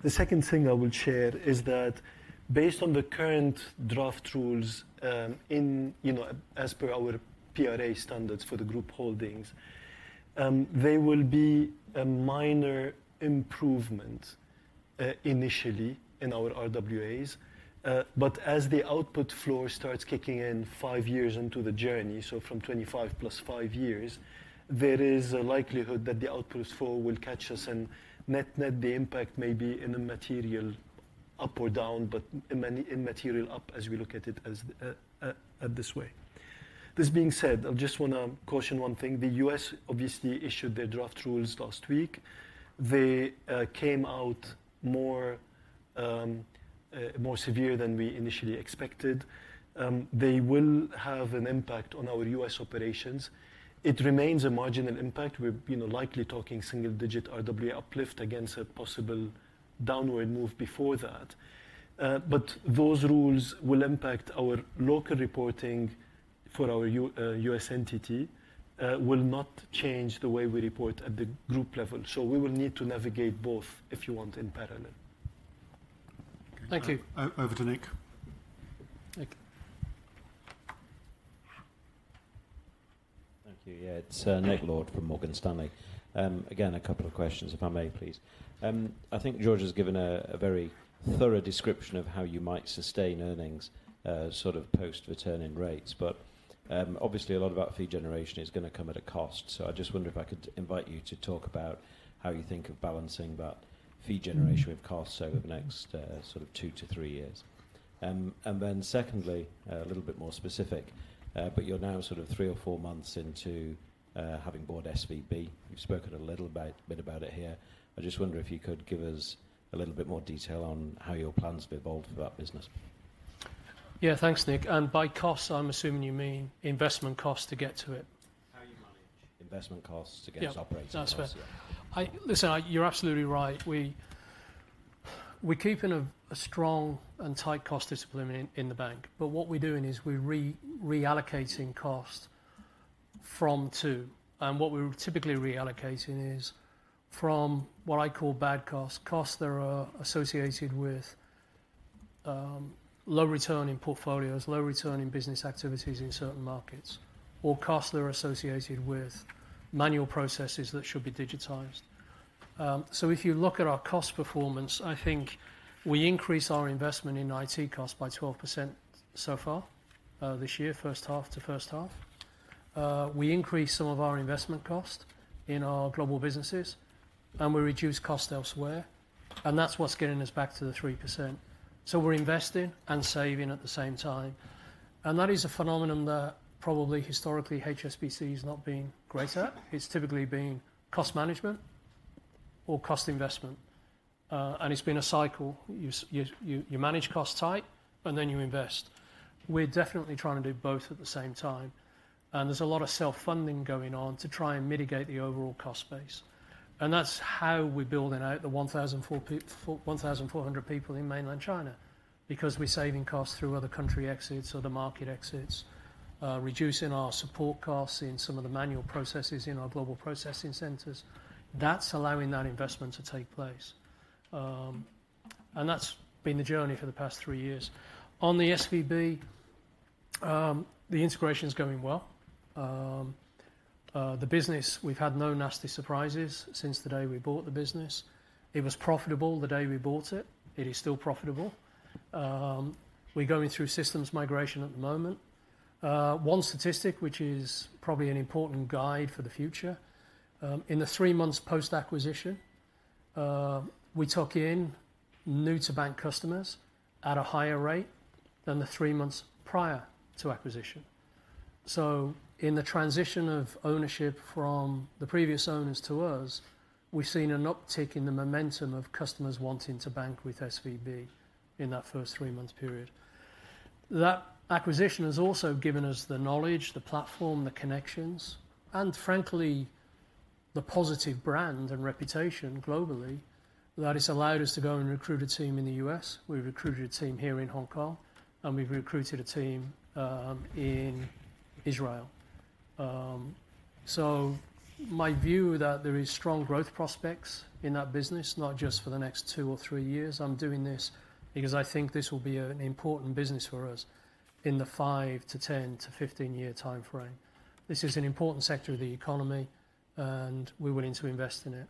The second thing I will share is that based on the current draft rules, in, you know, as per our PRA standards for the group holdings, they will be a minor improvement initially in our RWAs. As the output flow starts kicking in 5 years into the journey, so from 25 plus 5 years, there is a likelihood that the output flow will catch us, and net, net, the impact may be immaterial up or down, but immaterial up as we look at it as at this way. This being said, I just want to caution 1 thing. The US obviously issued their draft rules last week. They came out more more severe than we initially expected. They will have an impact on our US operations. It remains a marginal impact. We're, you know, likely talking single-digit RWA uplift against a possible downward move before that. Those rules will impact our local reporting for our US entity will not change the way we report at the group level. We will need to navigate both, if you want, in parallel.... Thank you. over to Nick. Nick? Thank you. Yeah, it's Nick Lord from Morgan Stanley. Again, a couple of questions, if I may please. I think Georges has given a very thorough description of how you might sustain earnings, sort of post-return in rates. Obviously a lot of that fee generation is gonna come at a cost. I just wonder if I could invite you to talk about how you think of balancing that fee generation with cost over the next 2-3 years. Secondly, a little bit more specific, but you're now sort of 3 or 4 months into having bought SVB. You've spoken a little about, bit about it here. I just wonder if you could give us a little bit more detail on how your plans have evolved for that business. Yeah, thanks, Nick. By costs, I'm assuming you mean investment costs to get to it? How you manage investment costs against operating costs. Yeah, that's fair. Listen, you're absolutely right. We're keeping a strong and tight cost discipline in the bank. What we're doing is we're reallocating cost from two. What we're typically reallocating is from what I call bad costs, costs that are associated with low return in portfolios, low return in business activities in certain markets, or costs that are associated with manual processes that should be digitized. If you look at our cost performance, I think we increased our investment in IT cost by 12% so far this year, first half to first half. We increased some of our investment cost in our global businesses, and we reduced costs elsewhere, and that's what's getting us back to the 3%. We're investing and saving at the same time. That is a phenomenon that probably historically HSBC has not been great at. It's typically been cost management or cost investment. It's been a cycle. You, you, you, you manage costs tight, and then you invest. We're definitely trying to do both at the same time, and there's a lot of self-funding going on to try and mitigate the overall cost base. That's how we're building out the 1,400 people in Mainland China because we're saving costs through other country exits or the market exits, reducing our support costs in some of the manual processes in our global processing centers. That's allowing that investment to take place. That's been the journey for the past 3 years. On the SVB, the integration is going well. The business, we've had no nasty surprises since the day we bought the business. It was profitable the day we bought it. It is still profitable. We're going through systems migration at the moment. One statistic, which is probably an important guide for the future, in the 3 months post-acquisition, we took in new-to-bank customers at a higher rate than the 3 months prior to acquisition. In the transition of ownership from the previous owners to us, we've seen an uptick in the momentum of customers wanting to bank with SVB in that first 3-month period. That acquisition has also given us the knowledge, the platform, the connections, and frankly, the positive brand and reputation globally, that it's allowed us to go and recruit a team in the US. We recruited a team here in Hong Kong, and we've recruited a team in Israel. My view that there is strong growth prospects in that business, not just for the next 2 or 3 years, I'm doing this because I think this will be an important business for us in the 5 to 10 to 15-year timeframe. This is an important sector of the economy, and we're willing to invest in it.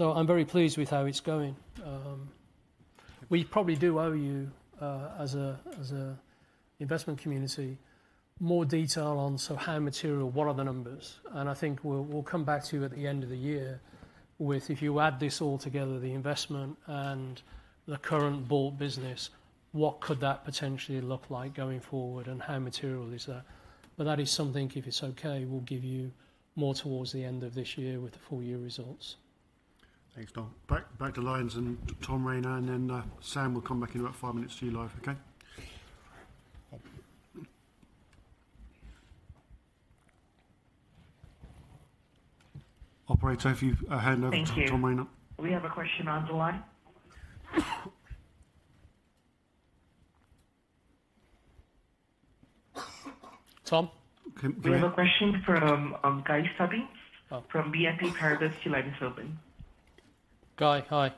I'm very pleased with how it's going. We probably do owe you, as a, as a investment community, more detail on so how material, what are the numbers? I think we'll, we'll come back to you at the end of the year with, if you add this all together, the investment and the current bought business, what could that potentially look like going forward and how material is that? That is something, if it's okay, we'll give you more toward the end of this year with the full year results. Thanks, Don. Back, back to lines and Tom Rayner, and then Sam will come back in about five minutes to you live. Okay? Operator, if you hand over to Tom Rayner. Thank you. We have a question on the line. Tom? We have a question from, Guy Stebbings. Oh. From BNP Paribas. Your line is open. Guy, hi.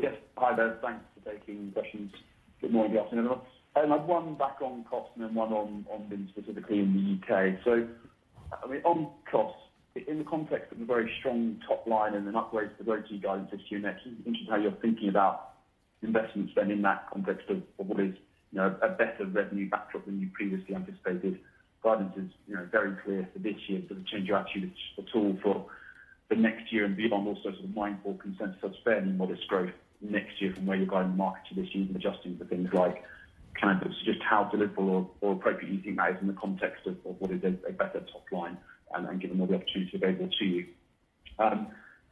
Yes. Hi there. Thanks for taking questions this morning, the afternoon. I have one back on cost and then one on, on specifically in the UK. I mean on costs, in the context of a very strong top line and an upgrade to the guidance this year, next, interested in how you're thinking about investment spend in that context of, of what is, you know, a better revenue backdrop than you previously anticipated. Guidance is, you know, very clear for this year, doesn't change your attitude at all for the next year, and beyond also sort of mindful consensus of spending and modest growth next year from where you're going market to this year and adjusting for things like campus. Just how deliverable or appropriate you think that is in the context of, of what is a, a better top line and, and given all the opportunity available to you.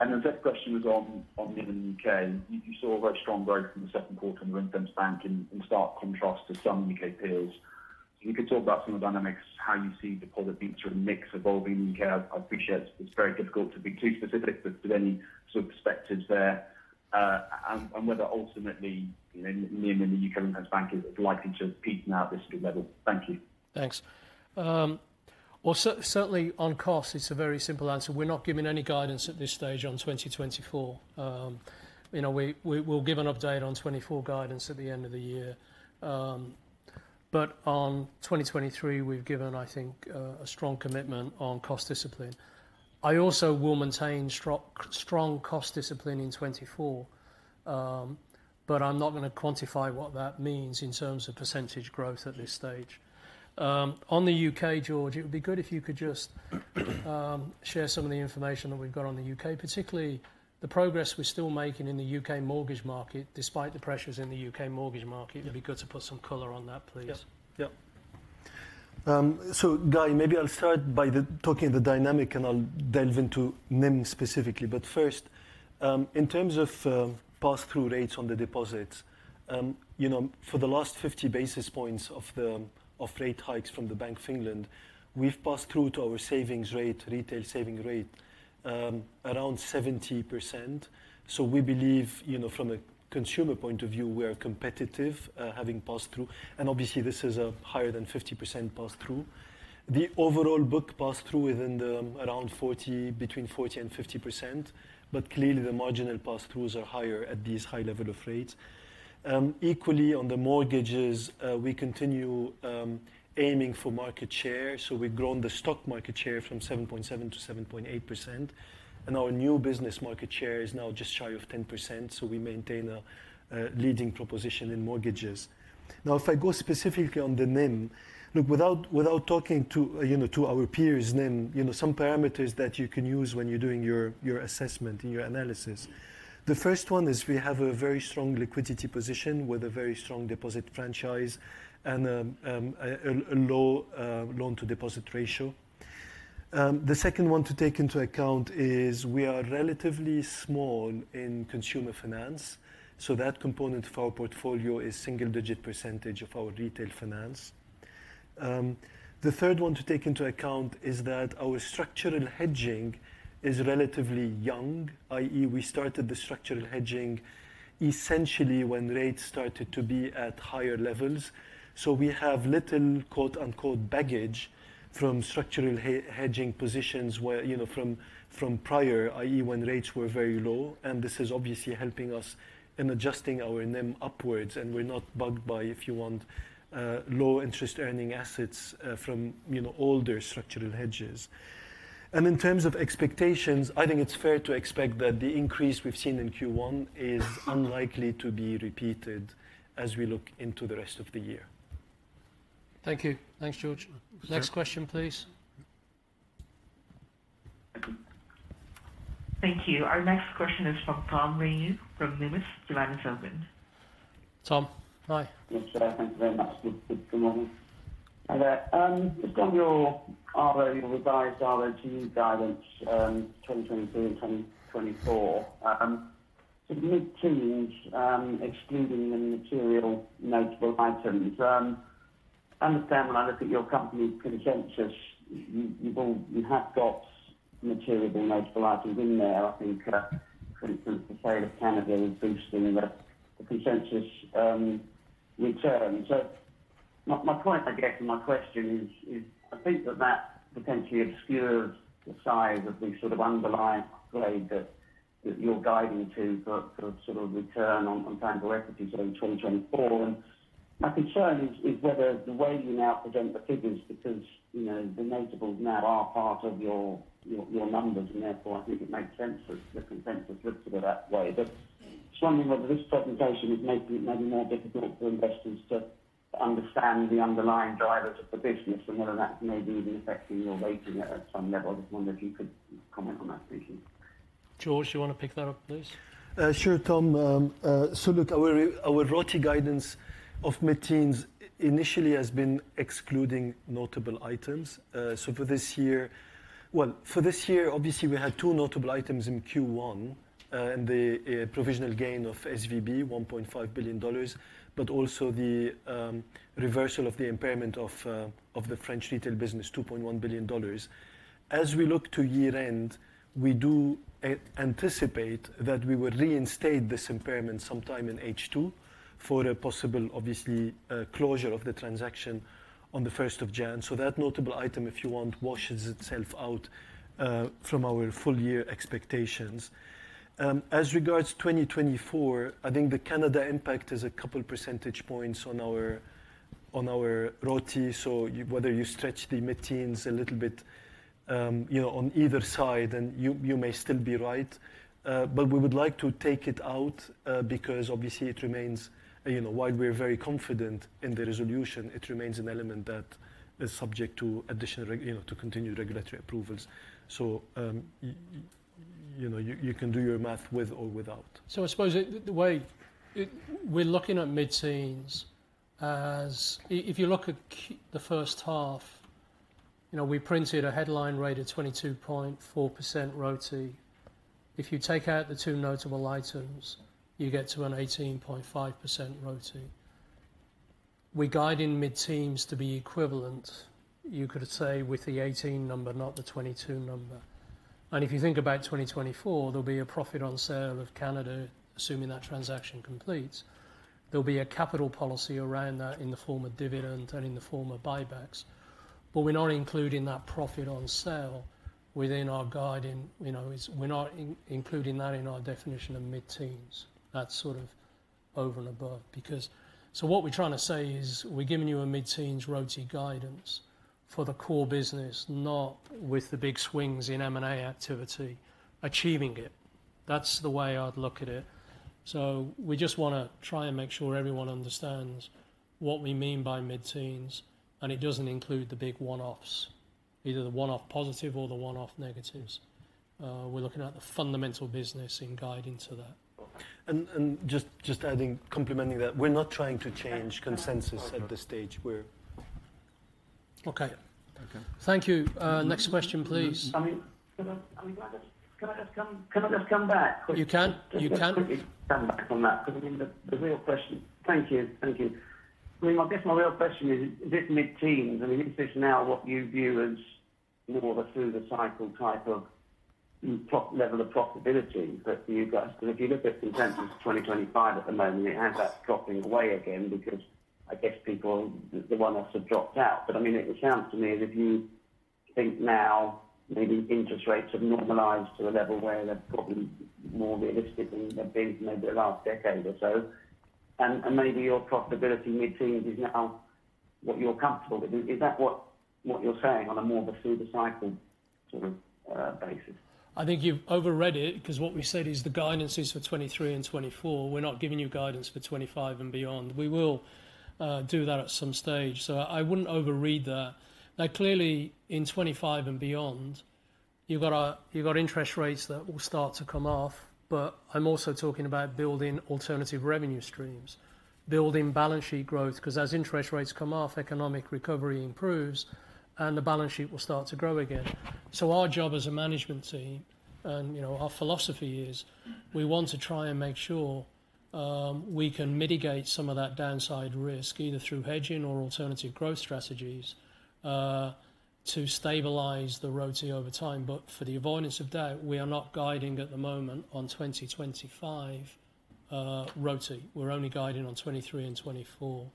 The next question was on, on the UK. You, you saw a very strong growth in the second quarter in the ring-fenced bank in, in stark contrast to some UK peers. You could talk about some of the dynamics, how you see the product mix evolving in the UK. I appreciate it's very difficult to be too specific, but any sort of perspectives there, and, and whether ultimately, you know, NIM in the UK ring-fenced bank is likely to peak now at this good level. Thank you. Thanks. Well, certainly on cost, it's a very simple answer. We're not giving any guidance at this stage on 2024. You know, we, we will give an update on 2024 guidance at the end of the year. On 2023, we've given, I think, a strong commitment on cost discipline. I also will maintain strong cost discipline in 2024, but I'm not going to quantify what that means in terms of percentage growth at this stage. On the UK, George, it would be good if you could just share some of the information that we've got on the UK, particularly the progress we're still making in the UK mortgage market, despite the pressures in the UK mortgage market. Yeah. It'd be good to put some color on that, please. Yep. Yep. Guy, maybe I'll start talking the dynamic, and I'll delve into NIM specifically. First, in terms of pass-through rates on the deposits, you know, for the last 50 basis points of the, of rate hikes from the Bank of England, we've passed through to our savings rate, retail saving rate, around 70%. We believe, you know, from a consumer point of view, we are competitive, having passed through, and obviously this is a higher than 50% pass-through. The overall book pass-through, around 40%, between 40% and 50%, but clearly the marginal pass-throughs are higher at these high level of rates. Equally, on the mortgages, we continue aiming for market share. We've grown the stock market share from 7.7 to 7.8%, and our new business market share is now just shy of 10%. We maintain a leading proposition in mortgages. If I go specifically on the NIM, look, without, without talking to, you know, to our peers, NIM, you know, some parameters that you can use when you're doing your, your assessment and your analysis. The first one is we have a very strong liquidity position with a very strong deposit franchise and a low loan-to-deposit ratio. The second one to take into account is we are relatively small in consumer finance, so that component of our portfolio is single-digit % of our retail finance. The third one to take into account is that our structural hedging is relatively young, i.e., we started the structural hedging essentially when rates started to be at higher levels. We have little, quote, unquote, "baggage" from structural hedging positions where, you know, from, from prior, i.e., when rates were very low, and this is obviously helping us in adjusting our NIM upwards, and we're not bugged by, if you want, low interest earning assets from, you know, older structural hedges. In terms of expectations, I think it's fair to expect that the increase we've seen in Q1 is unlikely to be repeated as we look into the rest of the year. Thank you. Thanks, George. Sure. Next question, please. Thank you. Our next question is from Tom Rayner from Loomis Sayles Oakland. Tom, hi. Yes, sir. Thank you very much. Good, good morning. Hi there, just on your revised ROTE guidance, 2023 and 2024, the mid-teens, excluding the material notable items. I understand when I look at your company's consensus, you have got material notable items in there. I think, for instance, the sale of Canada is boosting the consensus return. My point, I guess, and my question is, is I think that potentially obscures the size of the sort of underlying grade that you're guiding to for sort of return on tangible equity sort of in 2024. My concern is, is whether the way you now present the figures, because, you know, the notables now are part of your, your, your numbers, and therefore, I think it makes sense that the consensus looks at it that way. Just wondering whether this presentation is making it maybe more difficult for investors to understand the underlying drivers of the business and whether that may be affecting your weighting at, at some level. I just wonder if you could comment on that, please? Georges, you want to pick that up, please? Sure, Tom. Look, our ROTI guidance of mid-teens initially has been excluding notable items. For this year, we had two notable items in Q1, and the provisional gain of SVB, $1.5 billion, but also the reversal of the impairment of the French retail business, $2.1 billion. As we look to year-end, we do anticipate that we would reinstate this impairment sometime in H2 for a possible closure of the transaction on the 1st of January. That notable item, if you want, washes itself out from our full-year expectations. As regards 2024, I think the Canada impact is a couple percentage points on our ROTE. Whether you stretch the mid-teens a little bit, you know, on either side, then you, you may still be right. We would like to take it out because obviously it remains, you know, while we are very confident in the resolution, it remains an element that is subject to additional you know, to continued regulatory approvals. You know, you, you can do your math with or without. I suppose the way we're looking at mid-teens. If you look at the first half, you know, we printed a headline rate of 22.4% ROTI. If you take out the 2 notable items, you get to an 18.5% ROTI. We guide in mid-teens to be equivalent, you could say, with the 18 number, not the 22 number. If you think about 2024, there'll be a profit on sale of Canada, assuming that transaction completes. There'll be a capital policy around that in the form of dividends and in the form of buybacks. We're not including that profit on sale within our guiding, you know, we're not including that in our definition of mid-teens. That's sort of over and above. What we're trying to say is, we're giving you a mid-teens ROTI guidance for the core business, not with the big swings in M&A activity, achieving it. That's the way I'd look at it. We just want to try and make sure everyone understands what we mean by mid-teens, and it doesn't include the big one-offs, either the one-off positive or the one-off negatives. We're looking at the fundamental business in guiding to that. Adding, complementing that, we're not trying to change consensus at this stage. Okay. Okay. Thank you. Next question, please. I mean, I mean, can I just come back? You can, you can. Just quickly come back on that, because I mean, the, the real question. Thank you. Thank you. I mean, I guess my real question is, is this mid-teens, I mean, is this now what you view as more of a through the cycle type of level of profitability? Because if you look at consensus 2025 at the moment, it has that dropping away again, because I guess people, the one-offs have dropped out. I mean, it would sound to me as if you think now maybe interest rates have normalized to a level where they're probably more realistic than they've been in maybe the last decade or so, and, and maybe your profitability mid-teens is now what you're comfortable with. Is, is that what, what you're saying on a more of a through the cycle sort of basis? I think you've overread it, because what we said is the guidance is for 23 and 24. We're not giving you guidance for 25 and beyond. We will do that at some stage, so I wouldn't overread that. Clearly, in 25 and beyond, you've got interest rates that will start to come off, but I'm also talking about building alternative revenue streams, building balance sheet growth, because as interest rates come off, economic recovery improves, and the balance sheet will start to grow again. Our job as a management team, and, you know, our philosophy is we want to try and make sure we can mitigate some of that downside risk, either through hedging or alternative growth strategies to stabilize the ROTI over time. For the avoidance of doubt, we are not guiding at the moment on 2025 ROTI. We're only guiding on 2023 and 2024.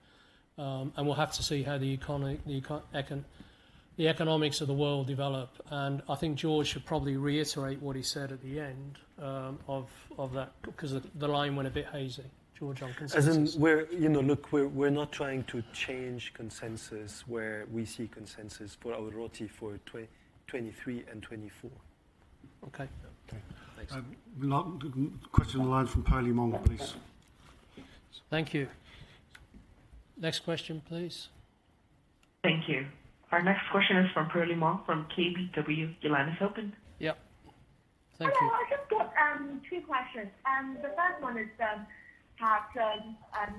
We'll have to see how the economy, the economics of the world develop. I think Georges should probably reiterate what he said at the end of that, because the line went a bit hazy. Georges, on consensus. As in we're, you know, look, we're, we're not trying to change consensus where we see consensus for our ROTI for 2023 and 2024. Okay. Okay, thanks. Last question on the line from Perlie Mong, please. Thank you. Next question, please. Thank you. Our next question is from Perlie Mong, from KBW. Your line is open. Yeah. Thank you. Hello, I've just got 2 questions. The first one is part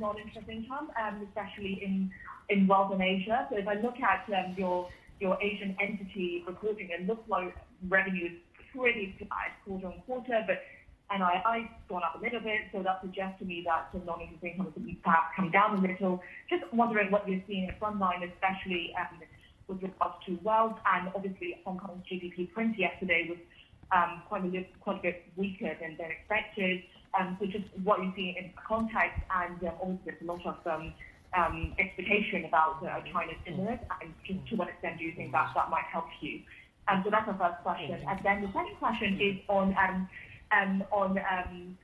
Non-Interest Income, especially in Wealth and Asia. If I look at your Asian entity for grouping, it looks like revenue is pretty high quarter-on-quarter, but NII has gone up a little bit, so that suggests to me that the Non-Interest Income could be perhaps coming down a little. Just wondering what you're seeing at front line, especially with regards to Wealth, and obviously, Hong Kong's GDP print yesterday was quite a bit, quite a bit weaker than expected. Just what you're seeing in context and also a lot of expectation about China's interest, and just to what extent do you think that that might help you? That's my first question. Then the second question is on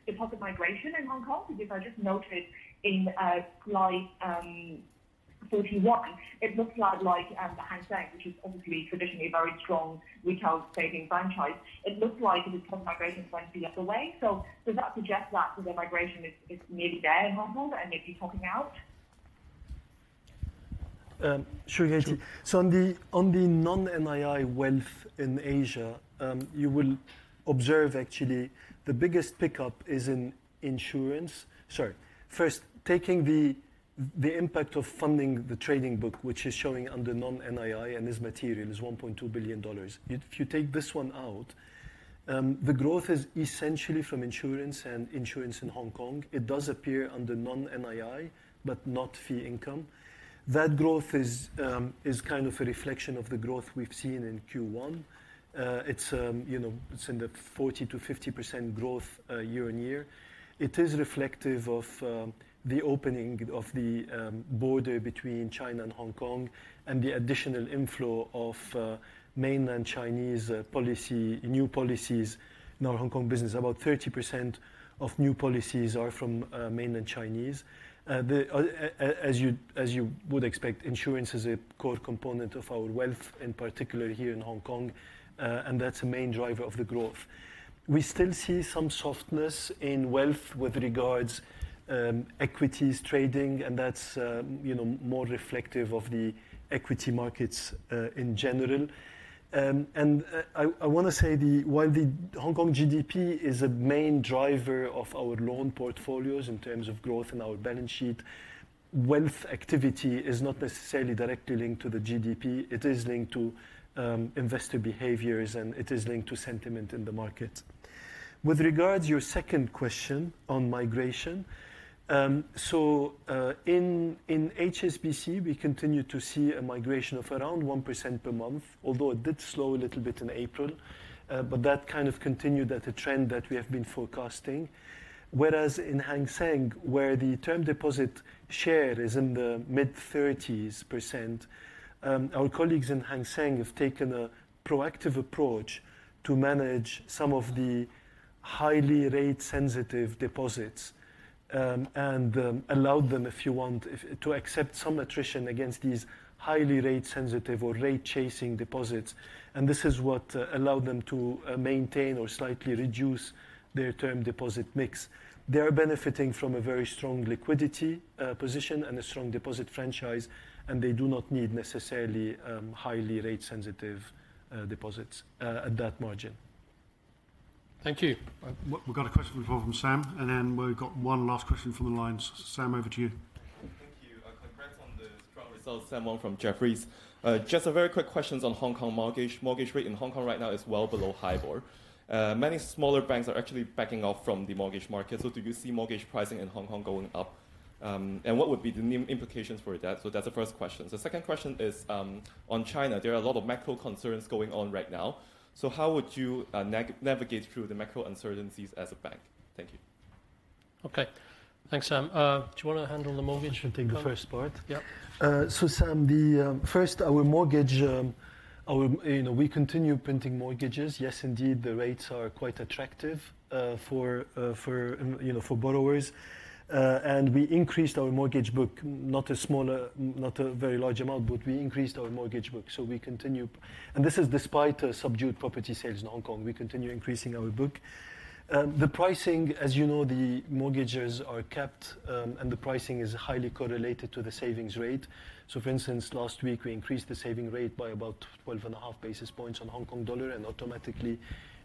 deposit migration in Hong Kong, because I just noted in slide 41, it looks a lot like the Hang Seng, which is obviously traditionally a very strong retail saving franchise. It looks like the deposit migration is going the other way. Does that suggest that the migration is, is maybe there in Hong Kong and maybe topping out? Sure, Katie. On the, on the non-NII wealth in Asia, you will observe actually the biggest pickup is in insurance. Sorry. First, taking the, the impact of funding the trading book, which is showing under non-NII, and this material is $1.2 billion. If, if you take this one out, the growth is essentially from insurance and insurance in Hong Kong. It does appear under non-NII, but not fee income. That growth is, is kind of a reflection of the growth we've seen in Q1. It's, you know, it's in the 40 to 50% growth year-on-year. It is reflective of the opening of the border between China and Hong Kong and the additional inflow of mainland Chinese policy, new policies, non-Hong Kong business. About 30% of new policies are from mainland Chinese. As you, as you would expect, insurance is a core component of our wealth, in particular here in Hong Kong, and that's a main driver of the growth. We still see some softness in wealth with regards equities trading, and that's, you know, more reflective of the equity markets in general. I want to say while the Hong Kong GDP is a main driver of our loan portfolios in terms of growth in our balance sheet, wealth activity is not necessarily directly linked to the GDP. It is linked to investor behaviors, and it is linked to sentiment in the market. With regards to your second question on migration, so, in HSBC, we continue to see a migration of around 1% per month, although it did slow a little bit in April. That kind of continued at the trend that we have been forecasting. Whereas in Hang Seng, where the term deposit share is in the mid-thirties percent, our colleagues in Hang Seng have taken a proactive approach to manage some of the highly rate-sensitive deposits, and allowed them to accept some attrition against these highly rate-sensitive or rate-chasing deposits. This is what allowed them to maintain or slightly reduce their term deposit mix. They are benefiting from a very strong liquidity position and a strong deposit franchise, and they do not need necessarily highly rate-sensitive deposits at that margin. Thank you. We've got a question from Sam, and then we've got one last question from the lines. Sam, over to you. Thank you. Congrats on the strong results. Sam Wong from Jefferies. Just a very quick questions on Hong Kong mortgage. Mortgage rate in Hong Kong right now is well below HIBOR. Many smaller banks are actually backing off from the mortgage market. Do you see mortgage pricing in Hong Kong going up? What would be the new implications for that? That's the first question. The second question is on China. There are a lot of macro concerns going on right now. How would you nav-navigate through the macro uncertainties as a bank? Thank you. Okay. Thanks, Sam. Do you wanna handle the mortgage? I'll take the first part. Yeah. Sam, the first our mortgage. You know, we continue printing mortgages. Yes, indeed, the rates are quite attractive for, for, you know, for borrowers. We increased our mortgage book, not a smaller, not a very large amount, but we increased our mortgage book. We continue. This is despite a subdued property sales in Hong Kong. We continue increasing our book. The pricing, as you know, the mortgages are capped, the pricing is highly correlated to the savings rate. For instance, last week, we increased the saving rate by about 12.5 basis points on HKD, and automatically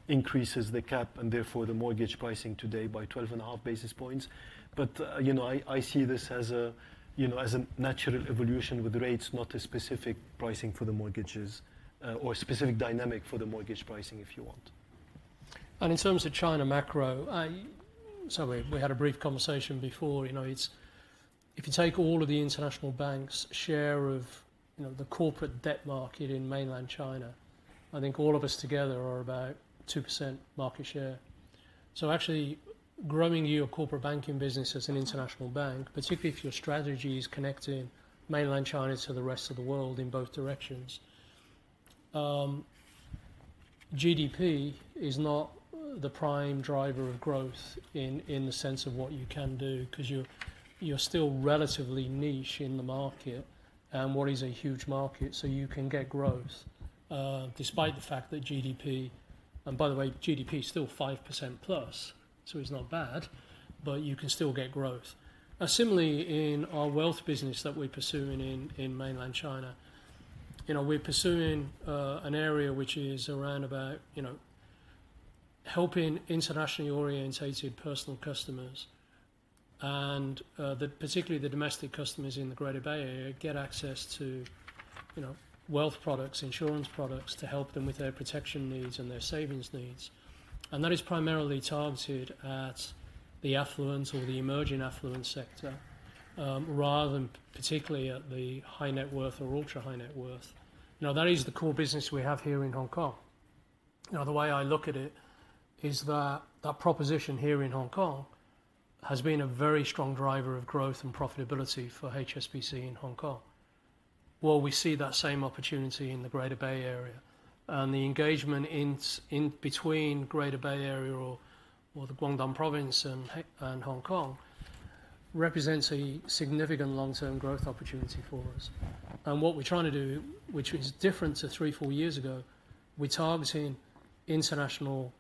increases the cap, and therefore the mortgage pricing today by 12.5 basis points. You know, I, I see this as a, you know, as a natural evolution with rates, not a specific pricing for the mortgages, or specific dynamic for the mortgage pricing, if you want. In terms of China macro, we, we had a brief conversation before. You know, if you take all of the international banks' share of, you know, the corporate debt market in mainland China, I think all of us together are about 2% market share. Actually, growing your corporate banking business as an international bank, particularly if your strategy is connecting mainland China to the rest of the world in both directions, GDP is not the prime driver of growth in, in the sense of what you can do, 'cause you're, you're still relatively niche in the market. What is a huge market, so you can get growth, despite the fact that GDP... And by the way, GDP is still 5%+, so it's not bad, but you can still get growth. Similarly, in our wealth business that we're pursuing in, in mainland China, you know, we're pursuing an area which is around about, you know, helping internationally orientated personal customers. The, particularly the domestic customers in the Greater Bay Area, get access to, you know, wealth products, insurance products, to help them with their protection needs and their savings needs. That is primarily targeted at the affluent or the emerging affluent sector, rather than particularly at the high net worth or ultra-high net worth. That is the core business we have here in Hong Kong. The way I look at it is that, that proposition here in Hong Kong has been a very strong driver of growth and profitability for HSBC in Hong Kong. Well, we see that same opportunity in the Greater Bay Area. The engagement in between Greater Bay Area or, or the Guangdong Province and Hong Kong, represents a significant long-term growth opportunity for us. What we're trying to do, which is different to 3, 4 years ago, we're targeting international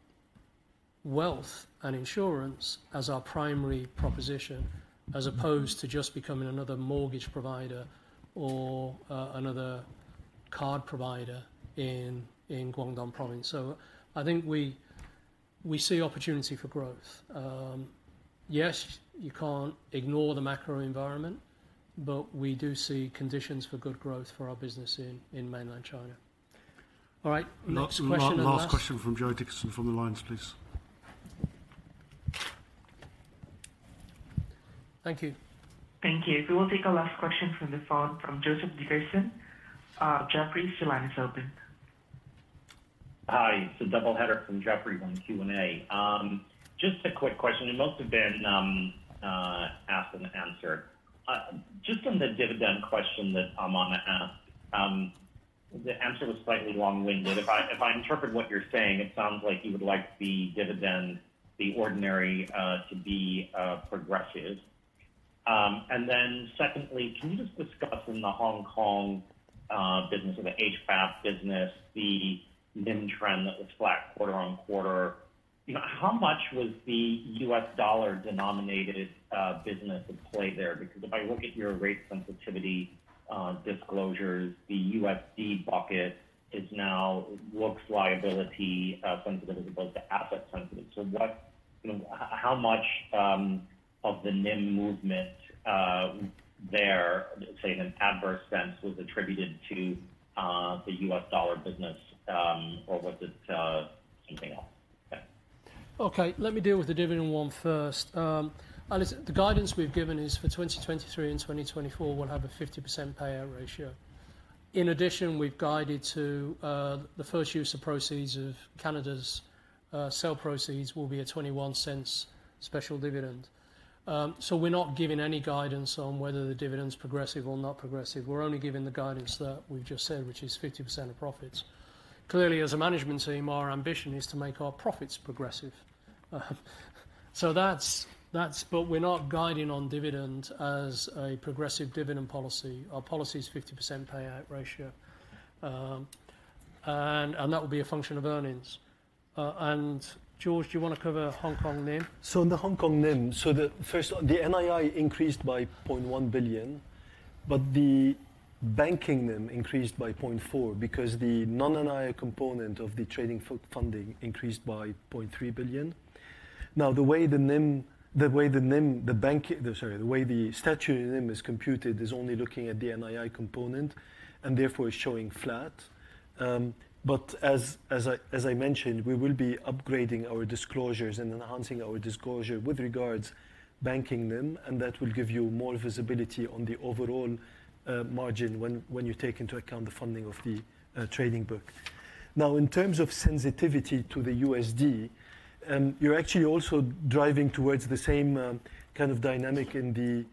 wealth and insurance as our primary proposition, as opposed to just becoming another mortgage provider or another card provider in, in Guangdong Province. I think we, we see opportunity for growth. Yes, you can't ignore the macro environment, but we do see conditions for good growth for our business in, in mainland China. All right, next question and last- Last question from Joseph Dickerson from the lines, please. Thank you. Thank you. We will take our last question from the phone from Joseph Dickerson. Jefferies, your line is open. Hi, it's a double header from Jefferies on the Q&A. Just a quick question. It must have been asked and answered. Just on the dividend question that Aman asked, the answer was slightly long-winded. If I, if I interpret what you're saying, it sounds like you would like the dividend, the ordinary, to be progressive. And then secondly, can you just discuss in the Hong Kong business or the HFAS business, the NIM trend that was flat quarter on quarter? You know, how much was the U.S. dollar-denominated business at play there? Because if I look at your rate sensitivity disclosures, the USD bucket is now, looks liability sensitive as opposed to asset sensitive. What-... you know, how much of the NIM movement there, say in an adverse sense, was attributed to the US dollar business, or was it something else? Okay. Okay, let me deal with the dividend one first. The guidance we've given is for 2023 and 2024, we'll have a 50% payout ratio. In addition, we've guided to the first use of proceeds of Canada's sale proceeds will be a $0.21 special dividend. We're not giving any guidance on whether the dividend's progressive or not progressive. We're only giving the guidance that we've just said, which is 50% of profits. Clearly, as a management team, our ambition is to make our profits progressive. We're not guiding on dividend as a progressive dividend policy. Our policy is 50% payout ratio. That will be a function of earnings. George, do you want to cover Hong Kong NIM? In the Hong Kong NIM, the NII increased by $0.1 billion, but the banking NIM increased by $0.4 because the non-NII component of the trading funding increased by $0.3 billion. The way the NIM, the way the NIM, sorry, the way the statutory NIM is computed is only looking at the NII component, and therefore is showing flat. As I mentioned, we will be upgrading our disclosures and enhancing our disclosure with regards banking NIM, and that will give you more visibility on the overall margin when you take into account the funding of the trading book. In terms of sensitivity to the USD, you're actually also driving towards the same kind of dynamic in the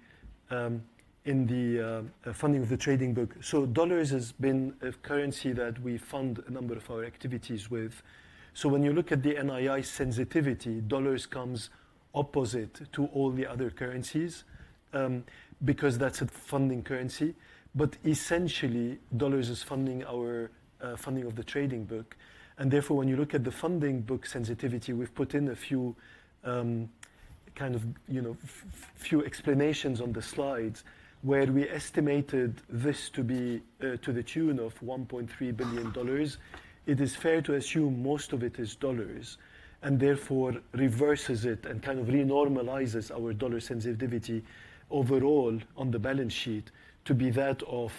funding of the trading book. Dollars has been a currency that we fund a number of our activities with. When you look at the NII sensitivity, dollars comes opposite to all the other currencies, because that's a funding currency. Essentially, dollars is funding our funding of the trading book, and therefore, when you look at the funding book sensitivity, we've put in a few, kind of, you know, few explanations on the slides, where we estimated this to be to the tune of $1.3 billion. It is fair to assume most of it is dollars, and therefore reverses it and kind of re-normalizes our dollar sensitivity overall on the balance sheet to be that of,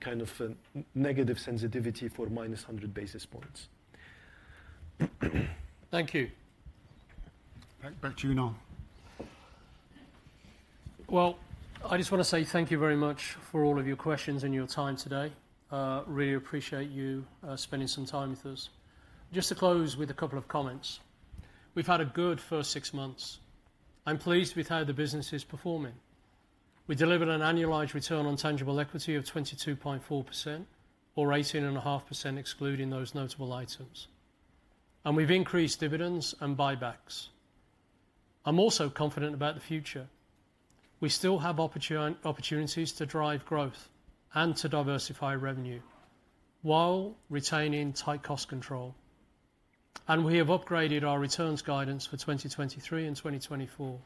kind of a negative sensitivity for -100 basis points. Thank you. Back to you, Noel. Well, I just want to say thank you very much for all of your questions and your time today. Really appreciate you spending some time with us. Just to close with a couple of comments. We've had a good first six months. I'm pleased with how the business is performing. We delivered an annualized return on tangible equity of 22.4%, or 18.5%, excluding those notable items. We've increased dividends and buybacks. I'm also confident about the future. We still have opportunities to drive growth and to diversify revenue, while retaining tight cost control. We have upgraded our returns guidance for 2023 and 2024.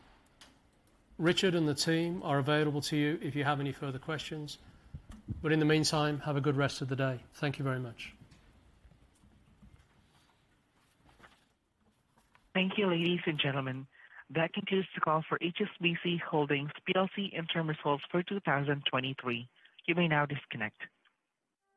Richard and the team are available to you if you have any further questions. In the meantime, have a good rest of the day. Thank you very much. Thank you, ladies and gentlemen. That concludes the call for HSBC Holdings PLC interim results for 2023. You may now disconnect.